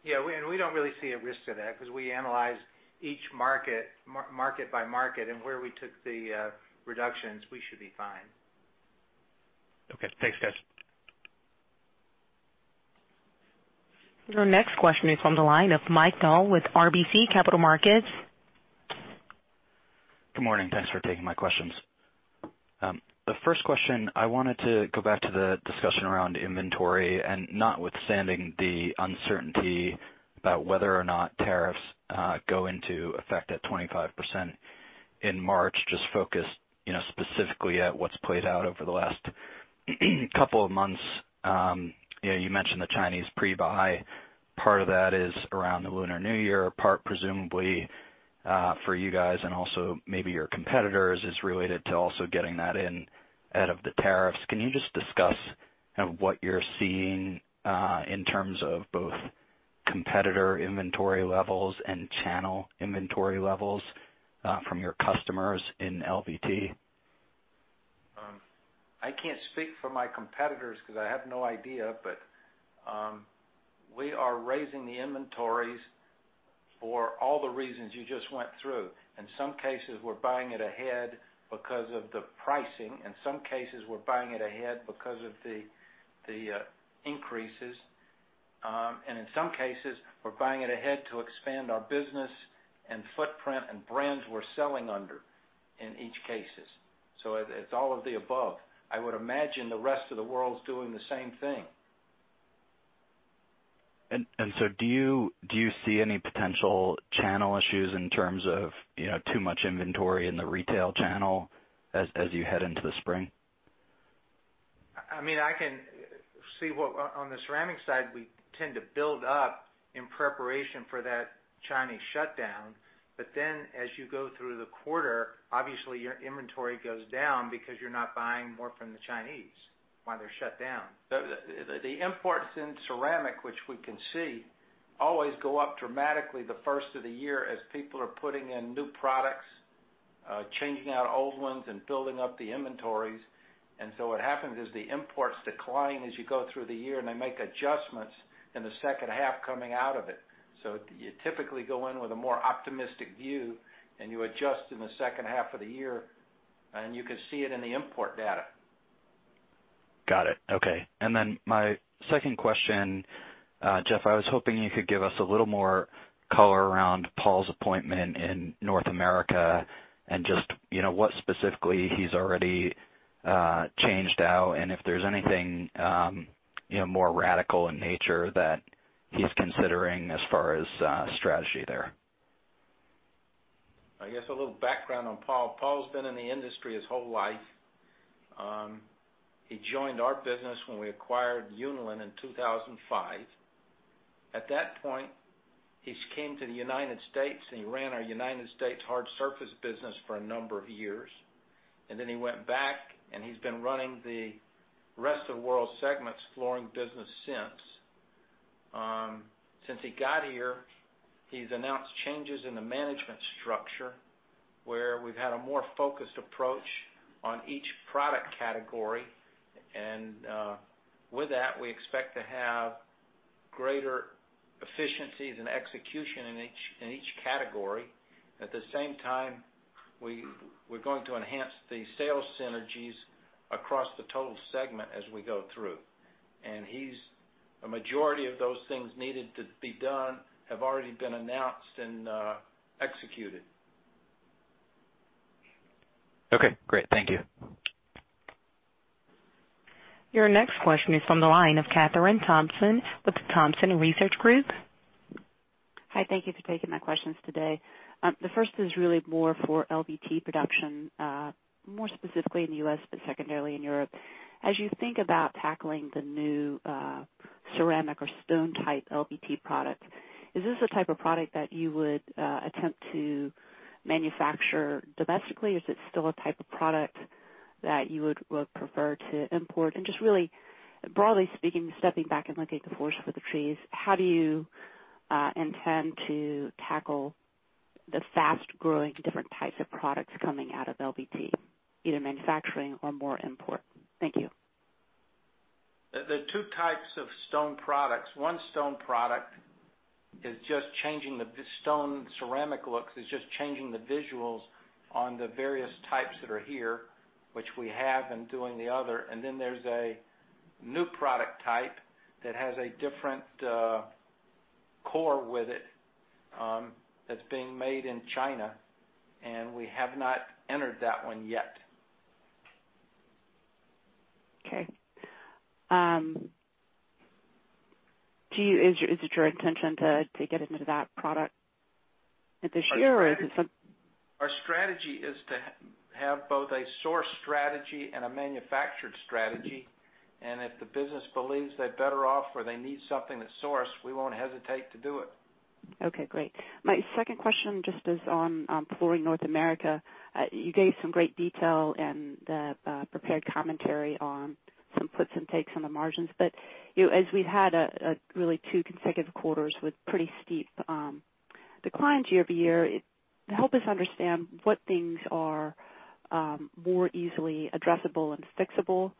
Yeah, we don't really see a risk to that because we analyze each market by market, and where we took the reductions, we should be fine. Okay. Thanks, guys. Your next question is from the line of Mike Dahl with RBC Capital Markets. Good morning. Thanks for taking my questions. The first question, I wanted to go back to the discussion around inventory and notwithstanding the uncertainty about whether or not tariffs go into effect at 25% in March, just focused specifically at what's played out over the last couple of months. You mentioned the Chinese pre-buy. Part of that is around the Lunar New Year. Part presumably for you guys and also maybe your competitors is related to also getting that in out of the tariffs. Can you just discuss kind of what you're seeing in terms of both competitor inventory levels and channel inventory levels from your customers in LVT? I can't speak for my competitors because I have no idea. We are raising the inventories for all the reasons you just went through. In some cases, we're buying it ahead because of the pricing. In some cases, we're buying it ahead because of the increases. In some cases, we're buying it ahead to expand our business and footprint and brands we're selling under in each cases. It's all of the above. I would imagine the rest of the world's doing the same thing. Do you see any potential channel issues in terms of too much inventory in the retail channel as you head into the spring? On the ceramic side, we tend to build up in preparation for that Chinese shutdown. As you go through the quarter, obviously your inventory goes down because you're not buying more from the Chinese while they're shut down. The imports in ceramic, which we can see, always go up dramatically the first of the year as people are putting in new products, changing out old ones and building up the inventories. What happens is the imports decline as you go through the year, and they make adjustments in the second half coming out of it. You typically go in with a more optimistic view, and you adjust in the second half of the year, and you can see it in the import data. Got it. Okay. My second question, Jeff, I was hoping you could give us a little more color around Paul's appointment in North America and just what specifically he's already changed out, and if there's anything more radical in nature that he's considering as far as strategy there. I guess a little background on Paul. Paul's been in the industry his whole life. He joined our business when we acquired Unilin in 2005. At that point, he came to the U.S., and he ran our U.S. hard surface business for a number of years. He went back, and he's been running the Flooring Rest of the World segments flooring business since. Since he got here, he's announced changes in the management structure, where we've had a more focused approach on each product category. With that, we expect to have greater efficiencies and execution in each category. At the same time, we're going to enhance the sales synergies across the total segment as we go through. A majority of those things needed to be done have already been announced and executed. Okay, great. Thank you. Your next question is from the line of Kathryn Thompson with the Thompson Research Group. Hi, thank you for taking my questions today. The first is really more for LVT production, more specifically in the U.S., but secondarily in Europe. As you think about tackling the new ceramic or stone type LVT product, is this the type of product that you would attempt to manufacture domestically, or is it still a type of product that you would prefer to import? Just really broadly speaking, stepping back and looking at the forest for the trees, how do you intend to tackle the fast-growing different types of products coming out of LVT, either manufacturing or more import? Thank you. There are two types of stone products. One stone product is just changing the stone ceramic looks, is just changing the visuals on the various types that are here, which we have and doing the other. Then there's a new product type that has a different core with it that's being made in China, and we have not entered that one yet. Okay. Is it your intention to get into that product this year? Our strategy is to have both a source strategy and a manufactured strategy, and if the business believes they're better off or they need something that's sourced, we won't hesitate to do it. Okay, great. My second question just is on Flooring North America. You gave some great detail in the prepared commentary on some puts and takes on the margins. As we've had really two consecutive quarters with pretty steep declines year-over-year, help us understand what things are more easily addressable and fixable,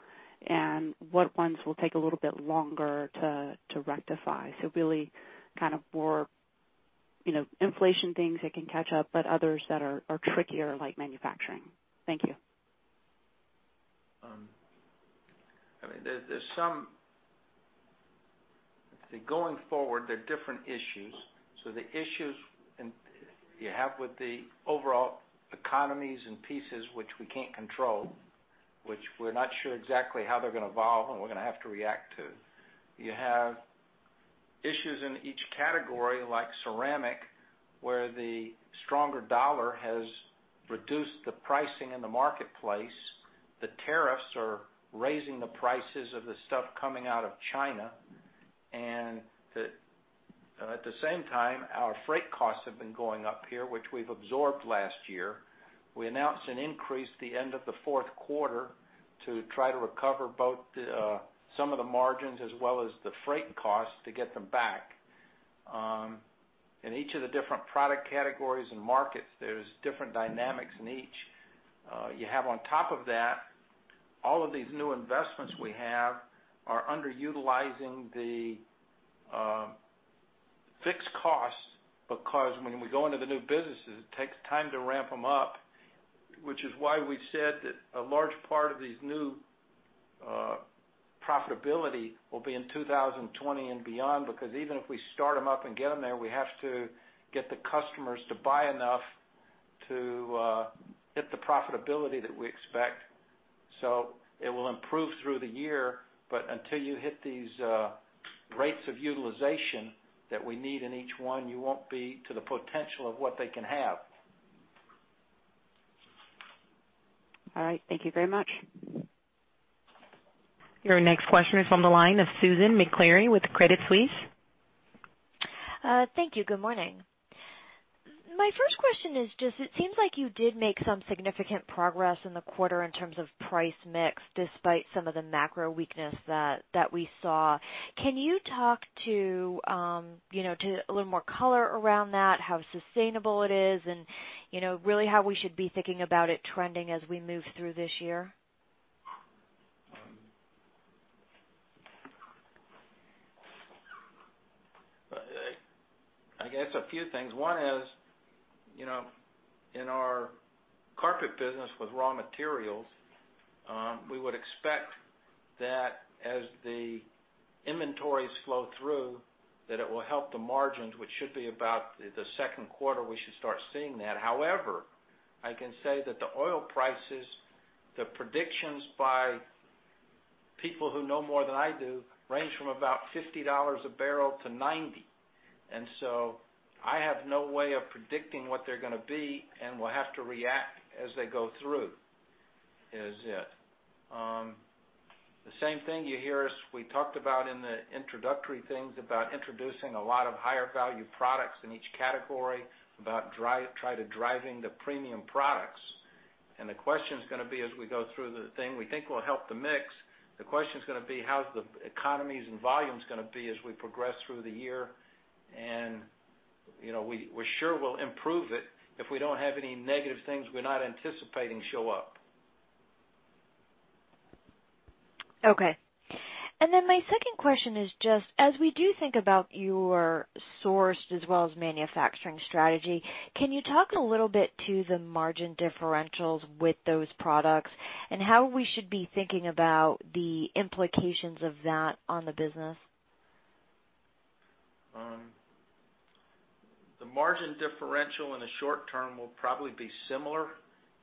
and what ones will take a little bit longer to rectify. Really kind of more inflation things that can catch up, but others that are trickier, like manufacturing. Thank you. Going forward, there are different issues. The issues you have with the overall economies and pieces which we can't control, which we're not sure exactly how they're going to evolve and we're going to have to react to. You have issues in each category, like ceramic, where the stronger dollar has reduced the pricing in the marketplace. The tariffs are raising the prices of the stuff coming out of China. At the same time, our freight costs have been going up here, which we've absorbed last year. We announced an increase at the end of the fourth quarter to try to recover both some of the margins as well as the freight costs to get them back. In each of the different product categories and markets, there's different dynamics in each. You have on top of that, all of these new investments we have are underutilizing the fixed costs because when we go into the new businesses, it takes time to ramp them up, which is why we said that a large part of these new profitability will be in 2020 and beyond, because even if we start them up and get them there, we have to get the customers to buy enough to hit the profitability that we expect. It will improve through the year, but until you hit these rates of utilization that we need in each one, you won't be to the potential of what they can have. All right. Thank you very much. Your next question is on the line of Susan Maklari with Credit Suisse. Thank you. Good morning. My first question is just, it seems like you did make some significant progress in the quarter in terms of price mix, despite some of the macro weakness that we saw. Can you talk to a little more color around that, how sustainable it is, and really how we should be thinking about it trending as we move through this year? I guess a few things. One is, in our carpet business with raw materials, we would expect that as the inventories flow through, that it will help the margins, which should be about the second quarter we should start seeing that. I can say that the oil prices, the predictions by people who know more than I do range from about $50 a bbl to $90. I have no way of predicting what they're going to be, and we'll have to react as they go through, is it. The same thing you hear us, we talked about in the introductory things about introducing a lot of higher value products in each category, about try to driving the premium products. The question's going to be, as we go through the thing we think will help the mix, the question's going to be how the economies and volumes going to be as we progress through the year. We're sure we'll improve it if we don't have any negative things we're not anticipating show up. Okay. My second question is just, as we do think about your sourced as well as manufacturing strategy, can you talk a little bit to the margin differentials with those products and how we should be thinking about the implications of that on the business? The margin differential in the short term will probably be similar.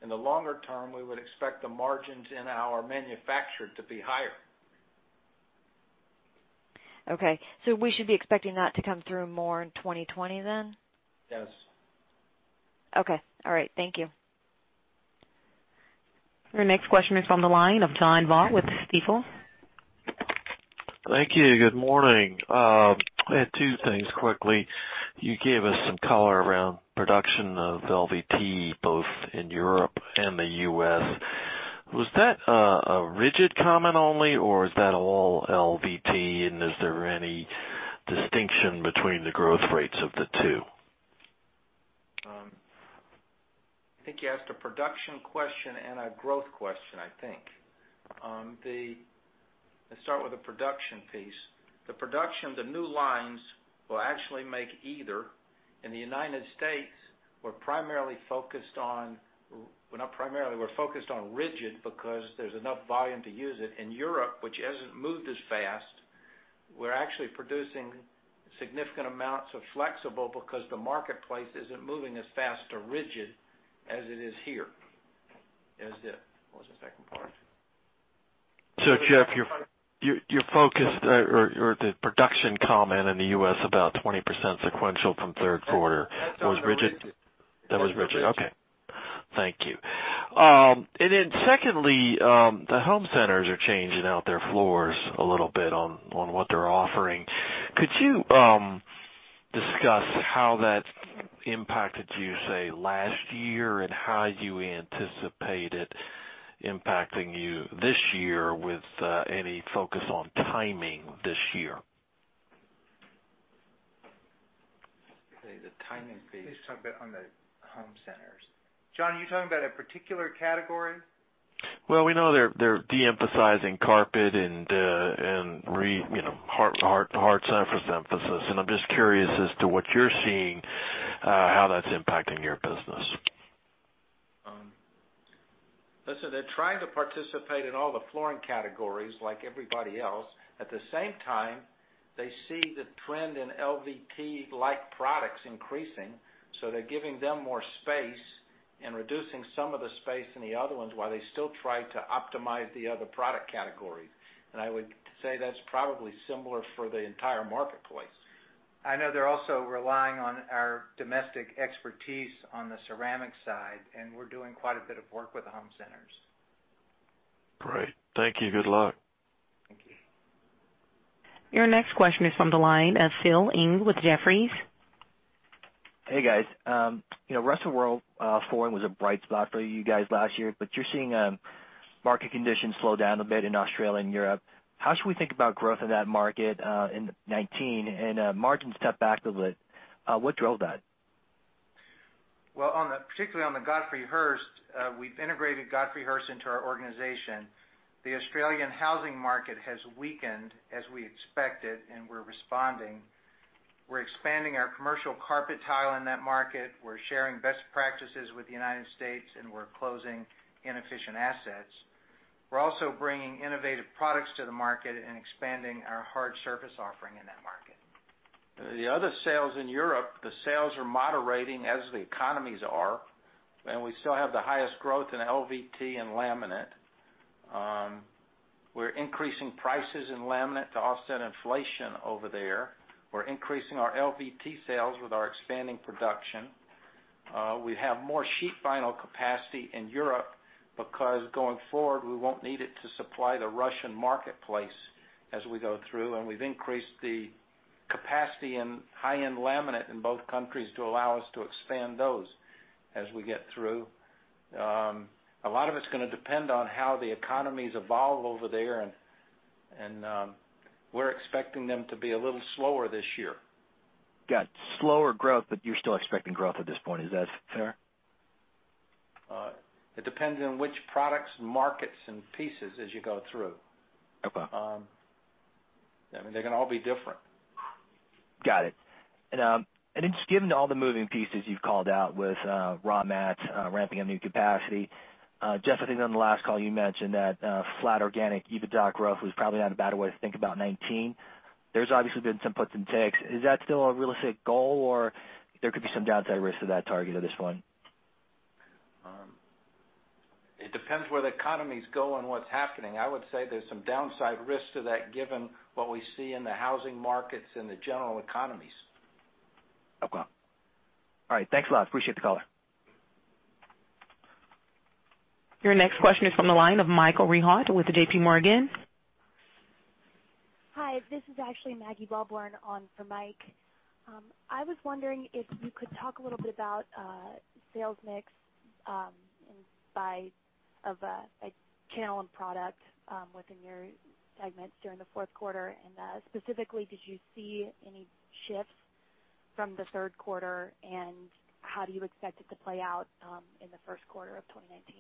In the longer term, we would expect the margins in our manufactured to be higher. Okay. We should be expecting that to come through more in 2020 then? Yes. Okay. All right. Thank you. Your next question is on the line of John Baugh with Stifel. Thank you. Good morning. I had two things quickly. You gave us some color around production of LVT, both in Europe and the U.S. Was that a rigid comment only, or is that all LVT, and is there any distinction between the growth rates of the two? I think you asked a production question and a growth question. Let's start with the production piece. The production of the new lines will actually make either. In the U.S., we're focused on rigid because there's enough volume to use it. In Europe, which hasn't moved as fast, we're actually producing significant amounts of flexible because the marketplace isn't moving as fast to rigid as it is here. What was the second part? Jeff, your focus or the production comment in the U.S., about 20% sequential from third quarter, was rigid? That was rigid. That was rigid. Okay. Thank you. Secondly, the home centers are changing out their floors a little bit on what they're offering. Could you discuss how that impacted you, say, last year and how you anticipate it impacting you this year with any focus on timing this year? Okay, the timing piece. Please talk about on the home centers. John, are you talking about a particular category? Well, we know they're de-emphasizing carpet and hard surface emphasis. I'm just curious as to what you're seeing, how that's impacting your business. Listen, they're trying to participate in all the flooring categories like everybody else. At the same time, they see the trend in LVT-like products increasing, they're giving them more space and reducing some of the space in the other ones while they still try to optimize the other product categories. I would say that's probably similar for the entire marketplace. I know they're also relying on our domestic expertise on the ceramic side, we're doing quite a bit of work with the home centers. Great. Thank you. Good luck. Thank you. Your next question is from the line of Phil Ng with Jefferies. Hey, guys. Flooring Rest of the World was a bright spot for you guys last year, but you're seeing market conditions slow down a bit in Australia and Europe. How should we think about growth in that market in 2019 and margin step-backs with what drove that? Well, particularly on the Godfrey Hirst, we've integrated Godfrey Hirst into our organization. The Australian housing market has weakened as we expected, and we're responding. We're expanding our commercial carpet tile in that market. We're sharing best practices with the U.S., and we're closing inefficient assets. We're also bringing innovative products to the market and expanding our hard surface offering in that market. The other sales in Europe, the sales are moderating as the economies are, and we still have the highest growth in LVT and laminate. We're increasing prices in laminate to offset inflation over there. We're increasing our LVT sales with our expanding production. We have more sheet vinyl capacity in Europe because going forward, we won't need it to supply the Russian marketplace as we go through, and we've increased the capacity in high-end laminate in both countries to allow us to expand those as we get through. A lot of it's going to depend on how the economies evolve over there, and we're expecting them to be a little slower this year. Got slower growth, but you're still expecting growth at this point. Is that fair? It depends on which products, markets, and pieces as you go through. Okay. They're going to all be different. Got it. Just given all the moving pieces you've called out with raw mats, ramping up new capacity. Jeff, I think on the last call you mentioned that flat organic EBITDA growth was probably not a bad way to think about 2019. There's obviously been some puts and takes. Is that still a realistic goal, or there could be some downside risks to that target at this point? It depends where the economies go and what's happening. I would say there's some downside risks to that given what we see in the housing markets and the general economies. Okay. All right. Thanks a lot. Appreciate the call. Your next question is from the line of Michael Rehaut with JPMorgan. Hi, this is actually Maggie Wellborn on for Mike. I was wondering if you could talk a little bit about sales mix by channel and product within your segments during the fourth quarter, and specifically, did you see any shifts from the third quarter, and how do you expect it to play out in the first quarter of 2019?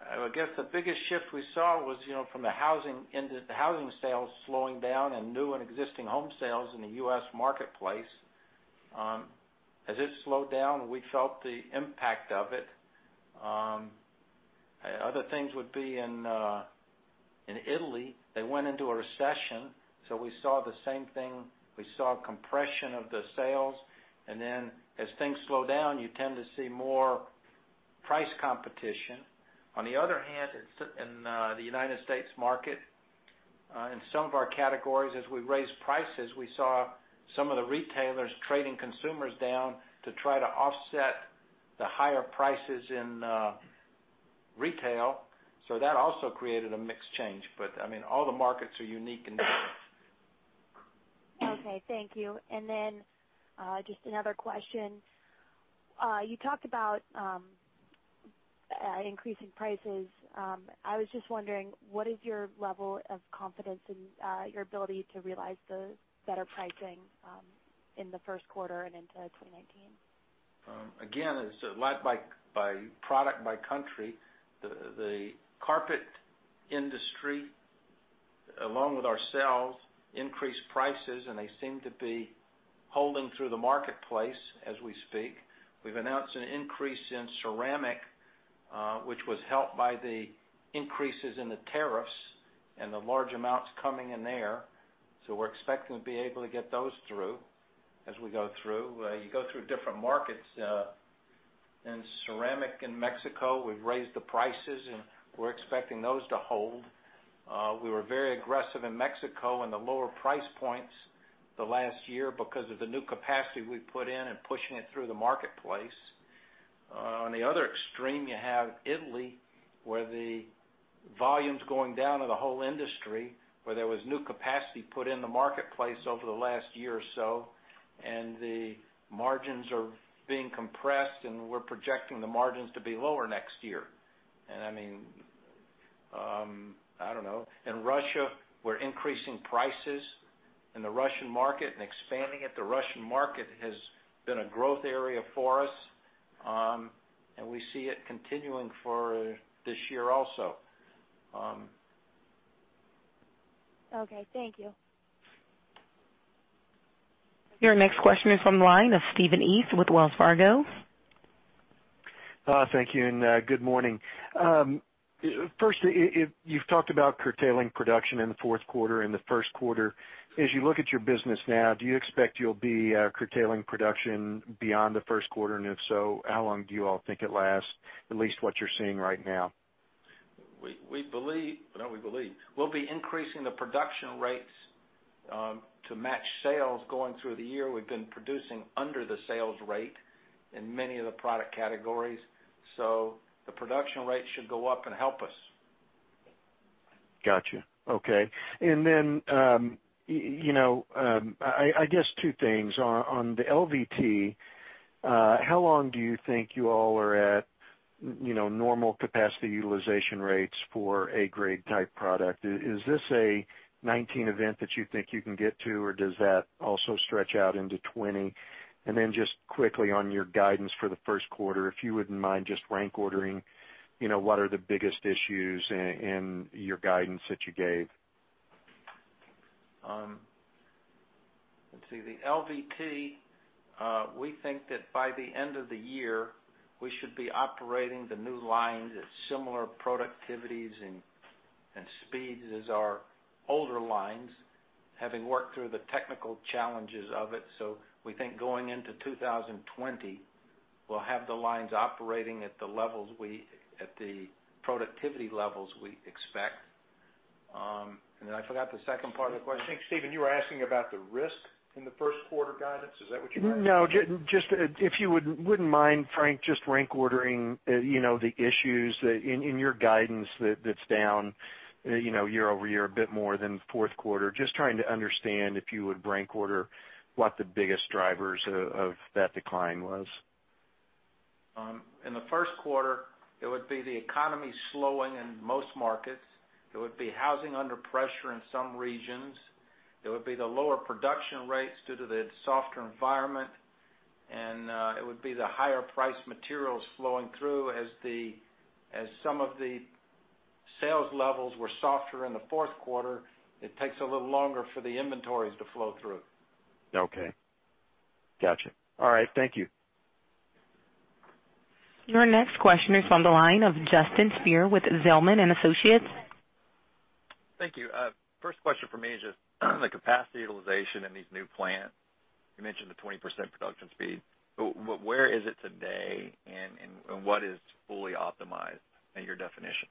I guess the biggest shift we saw was from the housing end, the housing sales slowing down and new and existing home sales in the U.S. marketplace. As it slowed down, we felt the impact of it. Other things would be in Italy, they went into a recession. We saw the same thing. We saw compression of the sales. As things slow down, you tend to see more price competition. On the other hand, in the United States market, in some of our categories, as we raised prices, we saw some of the retailers trading consumers down to try to offset the higher prices in retail. That also created a mixed change. All the markets are unique and different. Okay, thank you. Just another question. You talked about increasing prices. I was just wondering, what is your level of confidence in your ability to realize the better pricing in the first quarter and into 2019? Again, it's led by product, by country. The carpet industry, along with ourselves, increased prices. They seem to be holding through the marketplace as we speak. We've announced an increase in ceramic, which was helped by the increases in the tariffs and the large amounts coming in there. We're expecting to be able to get those through as we go through. You go through different markets. In ceramic in Mexico, we've raised the prices. We're expecting those to hold. We were very aggressive in Mexico in the lower price points the last year because of the new capacity we put in and pushing it through the marketplace. On the other extreme, you have Italy, where the volume's going down in the whole industry, where there was new capacity put in the marketplace over the last year or so. The margins are being compressed. We're projecting the margins to be lower next year. I don't know. In Russia, we're increasing prices in the Russian market. Expanding it. The Russian market has been a growth area for us. We see it continuing for this year also. Okay, thank you. Your next question is from the line of Stephen East with Wells Fargo. Thank you, and good morning. First, you've talked about curtailing production in the fourth quarter and the first quarter. As you look at your business now, do you expect you'll be curtailing production beyond the first quarter? If so, how long do you all think it lasts, at least what you're seeing right now? We'll be increasing the production rates to match sales going through the year. We've been producing under the sales rate in many of the product categories. The production rate should go up and help us. Got you. Okay. I guess two things. On the LVT, how long do you think you all are at normal capacity utilization rates for A grade type product? Is this a 2019 event that you think you can get to, or does that also stretch out into 2020? Just quickly on your guidance for the first quarter, if you wouldn't mind just rank ordering what are the biggest issues in your guidance that you gave. Let's see. The LVT, we think that by the end of the year, we should be operating the new lines at similar productivities and speeds as our older lines, having worked through the technical challenges of it. We think going into 2020, we'll have the lines operating at the productivity levels we expect. I forgot the second part of the question. I think, Stephen, you were asking about the risk in the first quarter guidance. Is that what you meant? No. If you wouldn't mind, Frank, just rank ordering the issues in your guidance that's down year-over-year, a bit more than fourth quarter. Just trying to understand if you would rank order what the biggest drivers of that decline was. In the first quarter, it would be the economy slowing in most markets. It would be housing under pressure in some regions. It would be the lower production rates due to the softer environment. It would be the higher price materials flowing through as some of the sales levels were softer in the fourth quarter. It takes a little longer for the inventories to flow through. Okay. Got you. All right. Thank you. Your next question is on the line of Justin Speer with Zelman & Associates. Thank you. First question from me is just the capacity utilization in these new plants. You mentioned the 20% production speed. Where is it today, and what is fully optimized in your definition?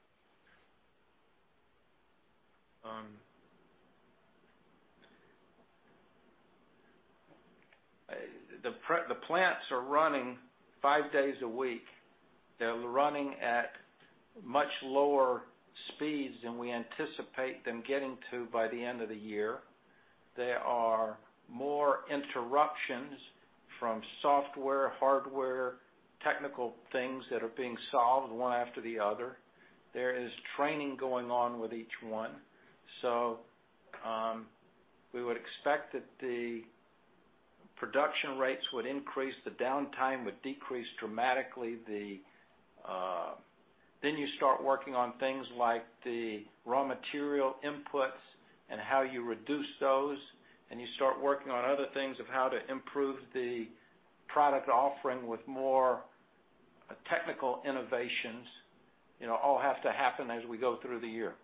The plants are running five days a week. They're running at much lower speeds than we anticipate them getting to by the end of the year. There are more interruptions from software, hardware, technical things that are being solved one after the other. There is training going on with each one. We would expect that the production rates would increase, the downtime would decrease dramatically. You start working on things like the raw material inputs and how you reduce those, and you start working on other things of how to improve the product offering with more technical innovations. All have to happen as we go through the year.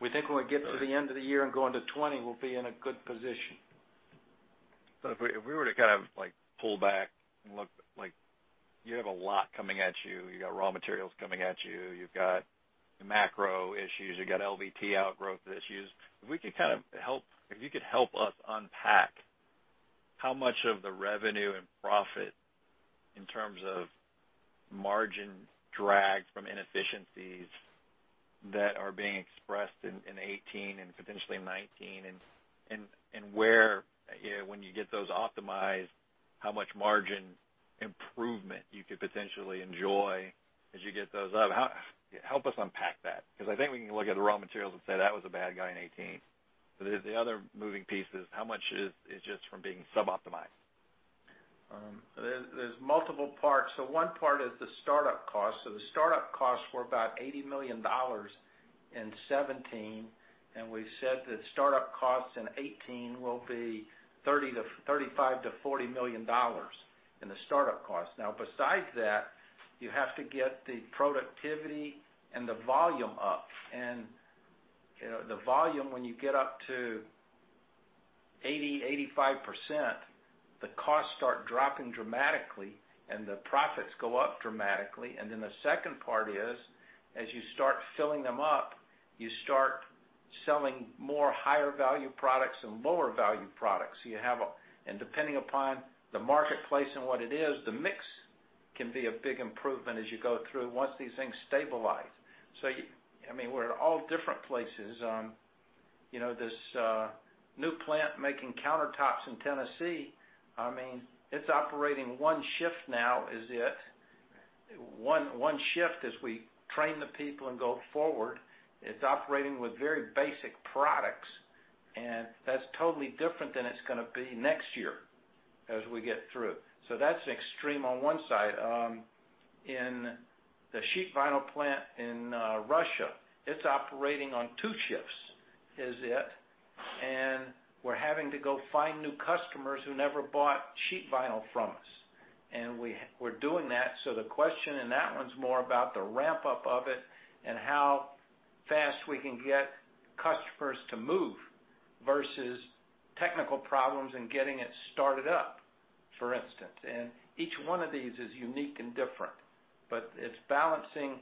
We think when we get to the end of the year and go into 2020, we'll be in a good position. If we were to kind of pull back and look, you have a lot coming at you. You've got raw materials coming at you. You've got macro issues. You've got LVT outgrowth issues. If you could help us unpack how much of the revenue and profit in terms of margin drag from inefficiencies that are being expressed in 2018 and potentially 2019, and when you get those optimized, how much margin improvement you could potentially enjoy as you get those up? Help us unpack that, because I think we can look at the raw materials and say that was a bad guy in 2018. The other moving pieces, how much is just from being sub-optimized? There's multiple parts. One part is the startup cost. The startup costs were about $80 million in 2017, and we've said that startup costs in 2018 will be $35 million-$40 million in the startup cost. Besides that, you have to get the productivity and the volume up. The volume, when you get up to 80%-85%, the costs start dropping dramatically and the profits go up dramatically. The second part is, as you start filling them up, you start selling more higher value products than lower value products. Depending upon the marketplace and what it is, the mix can be a big improvement as you go through once these things stabilize. We're in all different places. This new plant making countertops in Tennessee, it's operating one shift now, is it? One shift as we train the people and go forward. It's operating with very basic products, that's totally different than it's going to be next year as we get through. That's extreme on one side. In the sheet vinyl plant in Russia, it's operating on two shifts, is it? We're having to go find new customers who never bought sheet vinyl from us, and we're doing that. The question in that one's more about the ramp-up of it and how fast we can get customers to move versus technical problems and getting it started up, for instance. Each one of these is unique and different, but it's balancing.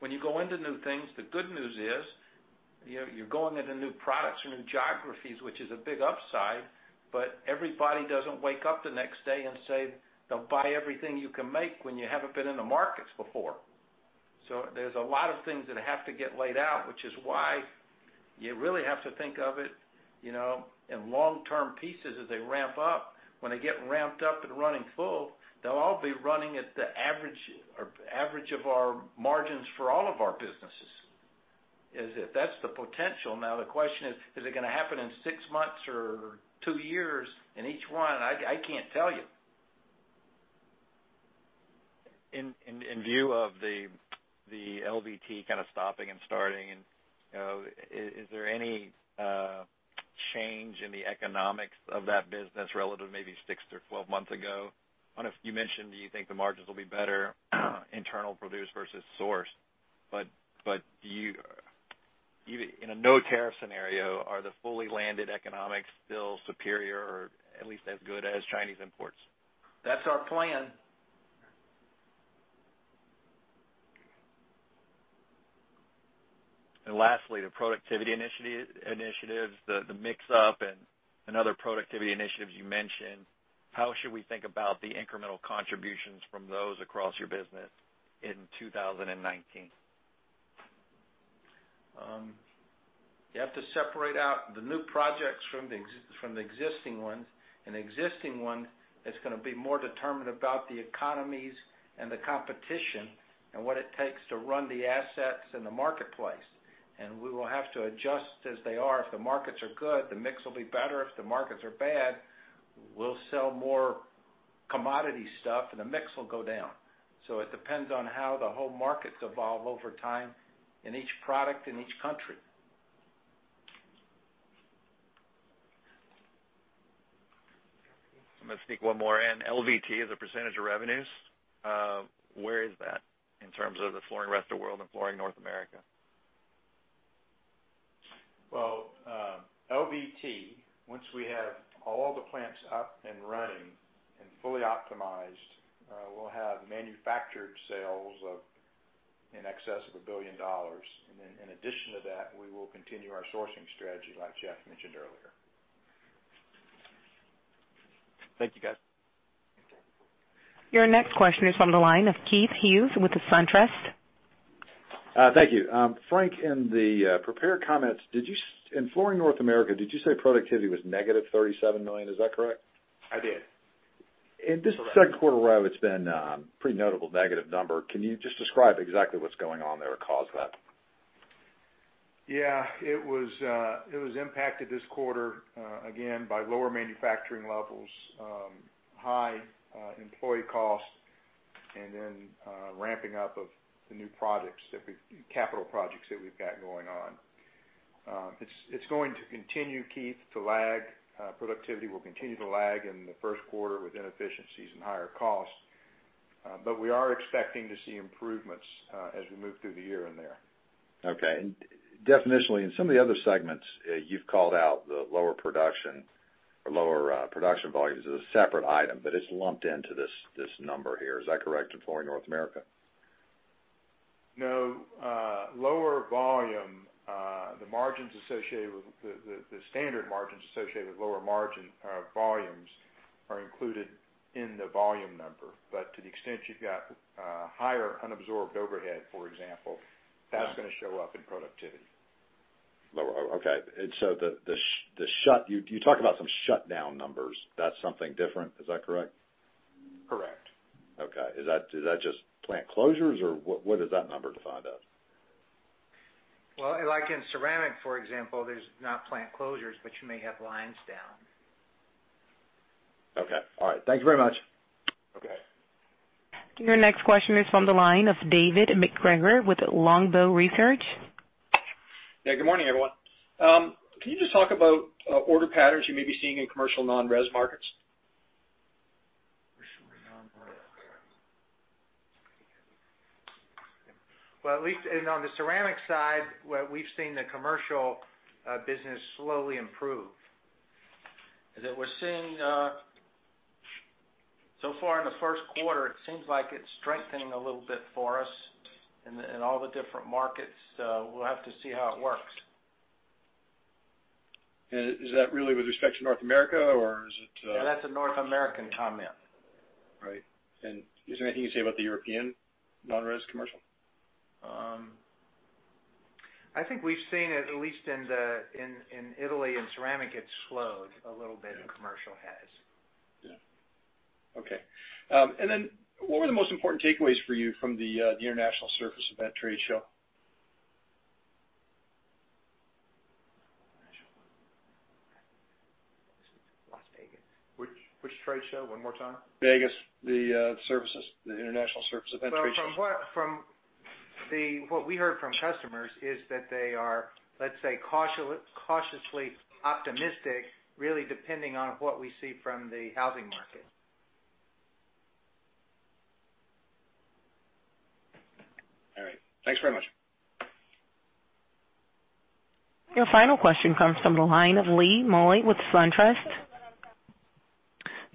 When you go into new things, the good news is you're going into new products or new geographies, which is a big upside, but everybody doesn't wake up the next day and say they'll buy everything you can make when you haven't been in the markets before. There's a lot of things that have to get laid out, which is why you really have to think of it in long-term pieces as they ramp up. When they get ramped up and running full, they'll all be running at the average of our margins for all of our businesses. That's the potential. The question is it going to happen in six months or two years in each one? I can't tell you. In view of the LVT kind of stopping and starting, is there any change in the economics of that business relative to maybe 6-12 months ago? You mentioned you think the margins will be better internal produce versus sourced, but in a no tariff scenario, are the fully landed economics still superior or at least as good as Chinese imports? That's our plan. Lastly, the productivity initiatives, the mix-up and other productivity initiatives you mentioned, how should we think about the incremental contributions from those across your business in 2019? You have to separate out the new projects from the existing ones. An existing one is going to be more determined about the economies and the competition and what it takes to run the assets in the marketplace. We will have to adjust as they are. If the markets are good, the mix will be better. If the markets are bad, we'll sell more commodity stuff and the mix will go down. It depends on how the whole markets evolve over time in each product, in each country. I'm going to sneak one more in. LVT as a percentage of revenues, where is that in terms of the Flooring Rest of World and Flooring North America? Well, LVT, once we have all the plants up and running and fully optimized, we'll have manufactured sales in excess of $1 billion. Then in addition to that, we will continue our sourcing strategy, like Jeff mentioned earlier. Thank you, guys. Your next question is on the line of Keith Hughes with SunTrust. Thank you. Frank, in the prepared comments, in Flooring North America, did you say productivity was -$37 million? Is that correct? I did. In this second quarter though, it's been a pretty notable negative number. Can you just describe exactly what's going on there or cause that? Yeah. It was impacted this quarter, again, by lower manufacturing levels, high employee cost, and ramping up of the new capital projects that we've got going on. It's going to continue, Keith, to lag. Productivity will continue to lag in the first quarter with inefficiencies and higher costs. We are expecting to see improvements as we move through the year in there. Okay. Definitionally, in some of the other segments, you've called out the lower production or lower production volumes as a separate item, but it's lumped into this number here. Is that correct in Flooring North America? No. Lower volume, the standard margins associated with lower margin volumes are included in the volume number. To the extent you've got higher unabsorbed overhead, for example, that's going to show up in productivity. Lower. Okay. You talk about some shutdown numbers. That's something different, is that correct? Correct. Okay. Is that just plant closures, or what is that number defined as? Well, like in ceramic, for example, there's not plant closures, but you may have lines down. Okay. All right. Thank you very much. Okay. Your next question is from the line of David MacGregor with Longbow Research. Yeah. Good morning, everyone. Can you just talk about order patterns you may be seeing in commercial non-res markets? Commercial non-res. Well, at least on the ceramic side, we've seen the commercial business slowly improve. That we're seeing so far in the first quarter, it seems like it's strengthening a little bit for us in all the different markets. We'll have to see how it works. Is that really with respect to North America? Yeah, that's a North American comment. Right. Is there anything you can say about the European non-res commercial? I think we've seen it, at least in Italy, in ceramic, it slowed a little bit, and commercial has. Yeah. Okay. What were the most important takeaways for you from The International Surface Event trade show? Las Vegas. Which trade show? One more time. Vegas. The International Surface Event trade show. From what we heard from customers is that they are, let's say, cautiously optimistic, really depending on what we see from the housing market. All right. Thanks very much. Your final question comes from the line of Lee Nalley with SunTrust.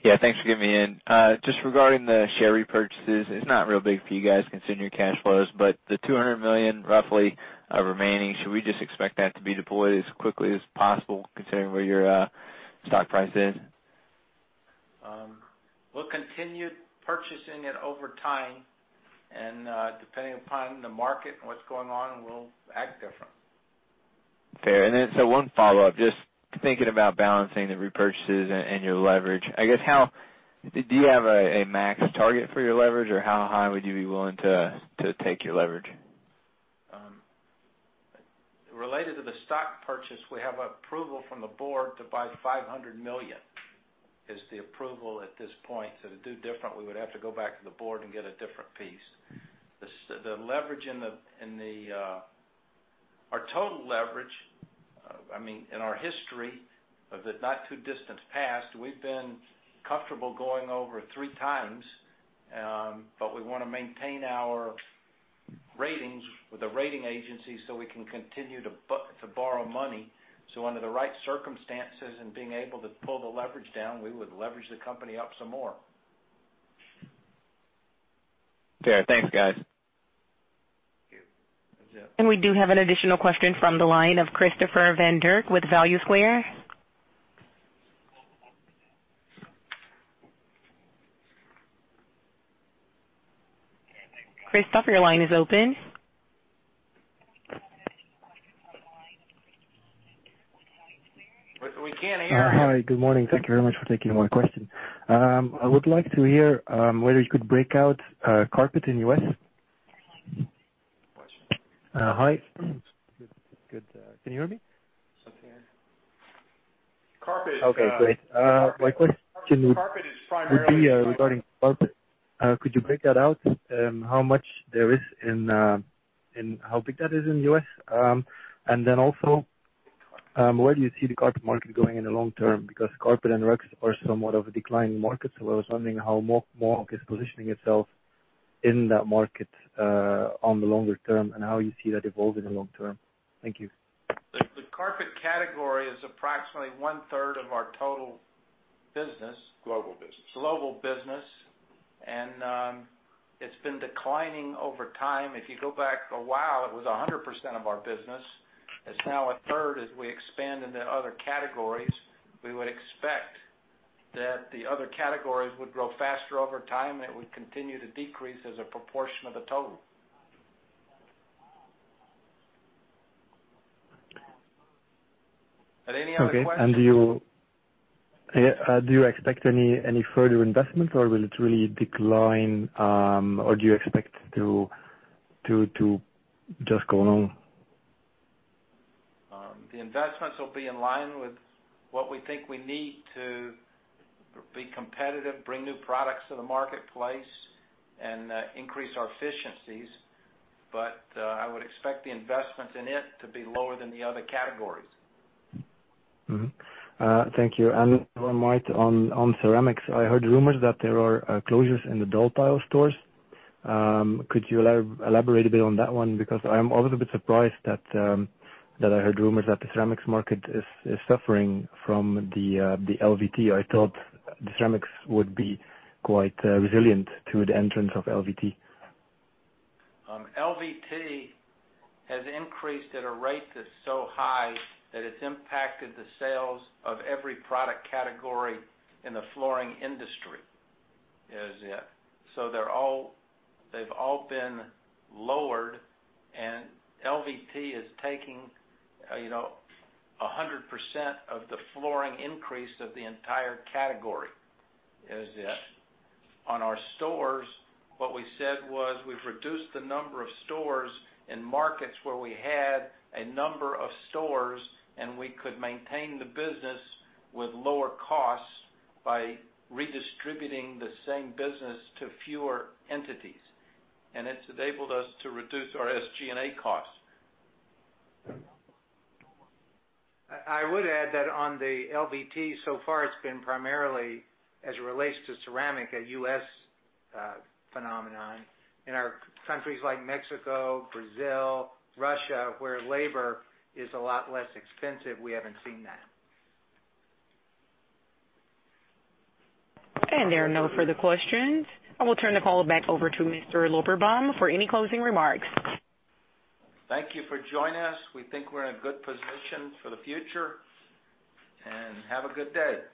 Yeah, thanks for getting me in. Just regarding the share repurchases, it's not real big for you guys considering your cash flows, but the $200 million roughly remaining, should we just expect that to be deployed as quickly as possible considering where your stock price is? We'll continue purchasing it over time depending upon the market and what's going on, we'll act different. Fair. One follow-up, just thinking about balancing the repurchases and your leverage. I guess, do you have a max target for your leverage, or how high would you be willing to take your leverage? Related to the stock purchase, we have approval from the board to buy $500 million, is the approval at this point. To do different, we would have to go back to the board and get a different piece. Our total leverage, in our history of the not-too-distant past, we've been comfortable going over three times. We want to maintain our ratings with the rating agencies so we can continue to borrow money. Under the right circumstances and being able to pull the leverage down, we would leverage the company up some more. Fair. Thanks, guys. We do have an additional question from the line of Christopher Van der with Value Square. Christopher, your line is open. We can't hear you. Hi. Good morning. Thank you very much for taking my question. I would like to hear whether you could break out carpet in U.S. Question. Hi. Good. Can you hear me? Yes, we can. Carpet. Okay, great. My question- Carpet is primarily- Would be regarding carpet. Could you break that out, how much there is and how big that is in the U.S.? Also, where do you see the carpet market going in the long term? Carpet and rugs are somewhat of a declining market. I was wondering how Mohawk is positioning itself in that market on the longer term and how you see that evolving in the long term. Thank you. The carpet category is approximately one-third of our total business. Global business. Global business. It's been declining over time. If you go back a while, it was 100% of our business. It's now a third as we expand into other categories. We would expect that the other categories would grow faster over time, and it would continue to decrease as a proportion of the total. Are there any other questions? Okay. Do you expect any further investment, or will it really decline, or do you expect it to just go along? The investments will be in line with what we think we need to be competitive, bring new products to the marketplace, and increase our efficiencies. I would expect the investments in it to be lower than the other categories. Thank you. One might on ceramics. I heard rumors that there are closures in the Daltile stores. Could you elaborate a bit on that one? Because I am a little bit surprised that I heard rumors that the ceramics market is suffering from the LVT. I thought the ceramics would be quite resilient to the entrance of LVT. LVT has increased at a rate that's so high that it's impacted the sales of every product category in the flooring industry. They've all been lowered, and LVT is taking 100% of the flooring increase of the entire category. On our stores, what we said was we've reduced the number of stores in markets where we had a number of stores, and we could maintain the business with lower costs by redistributing the same business to fewer entities. It's enabled us to reduce our SG&A costs. I would add that on the LVT so far, it's been primarily, as it relates to ceramic, a U.S. phenomenon. In our countries like Mexico, Brazil, Russia, where labor is a lot less expensive, we haven't seen that. There are no further questions. I will turn the call back over to Mr. Lorberbaum for any closing remarks. Thank you for joining us. We think we're in a good position for the future. Have a good day.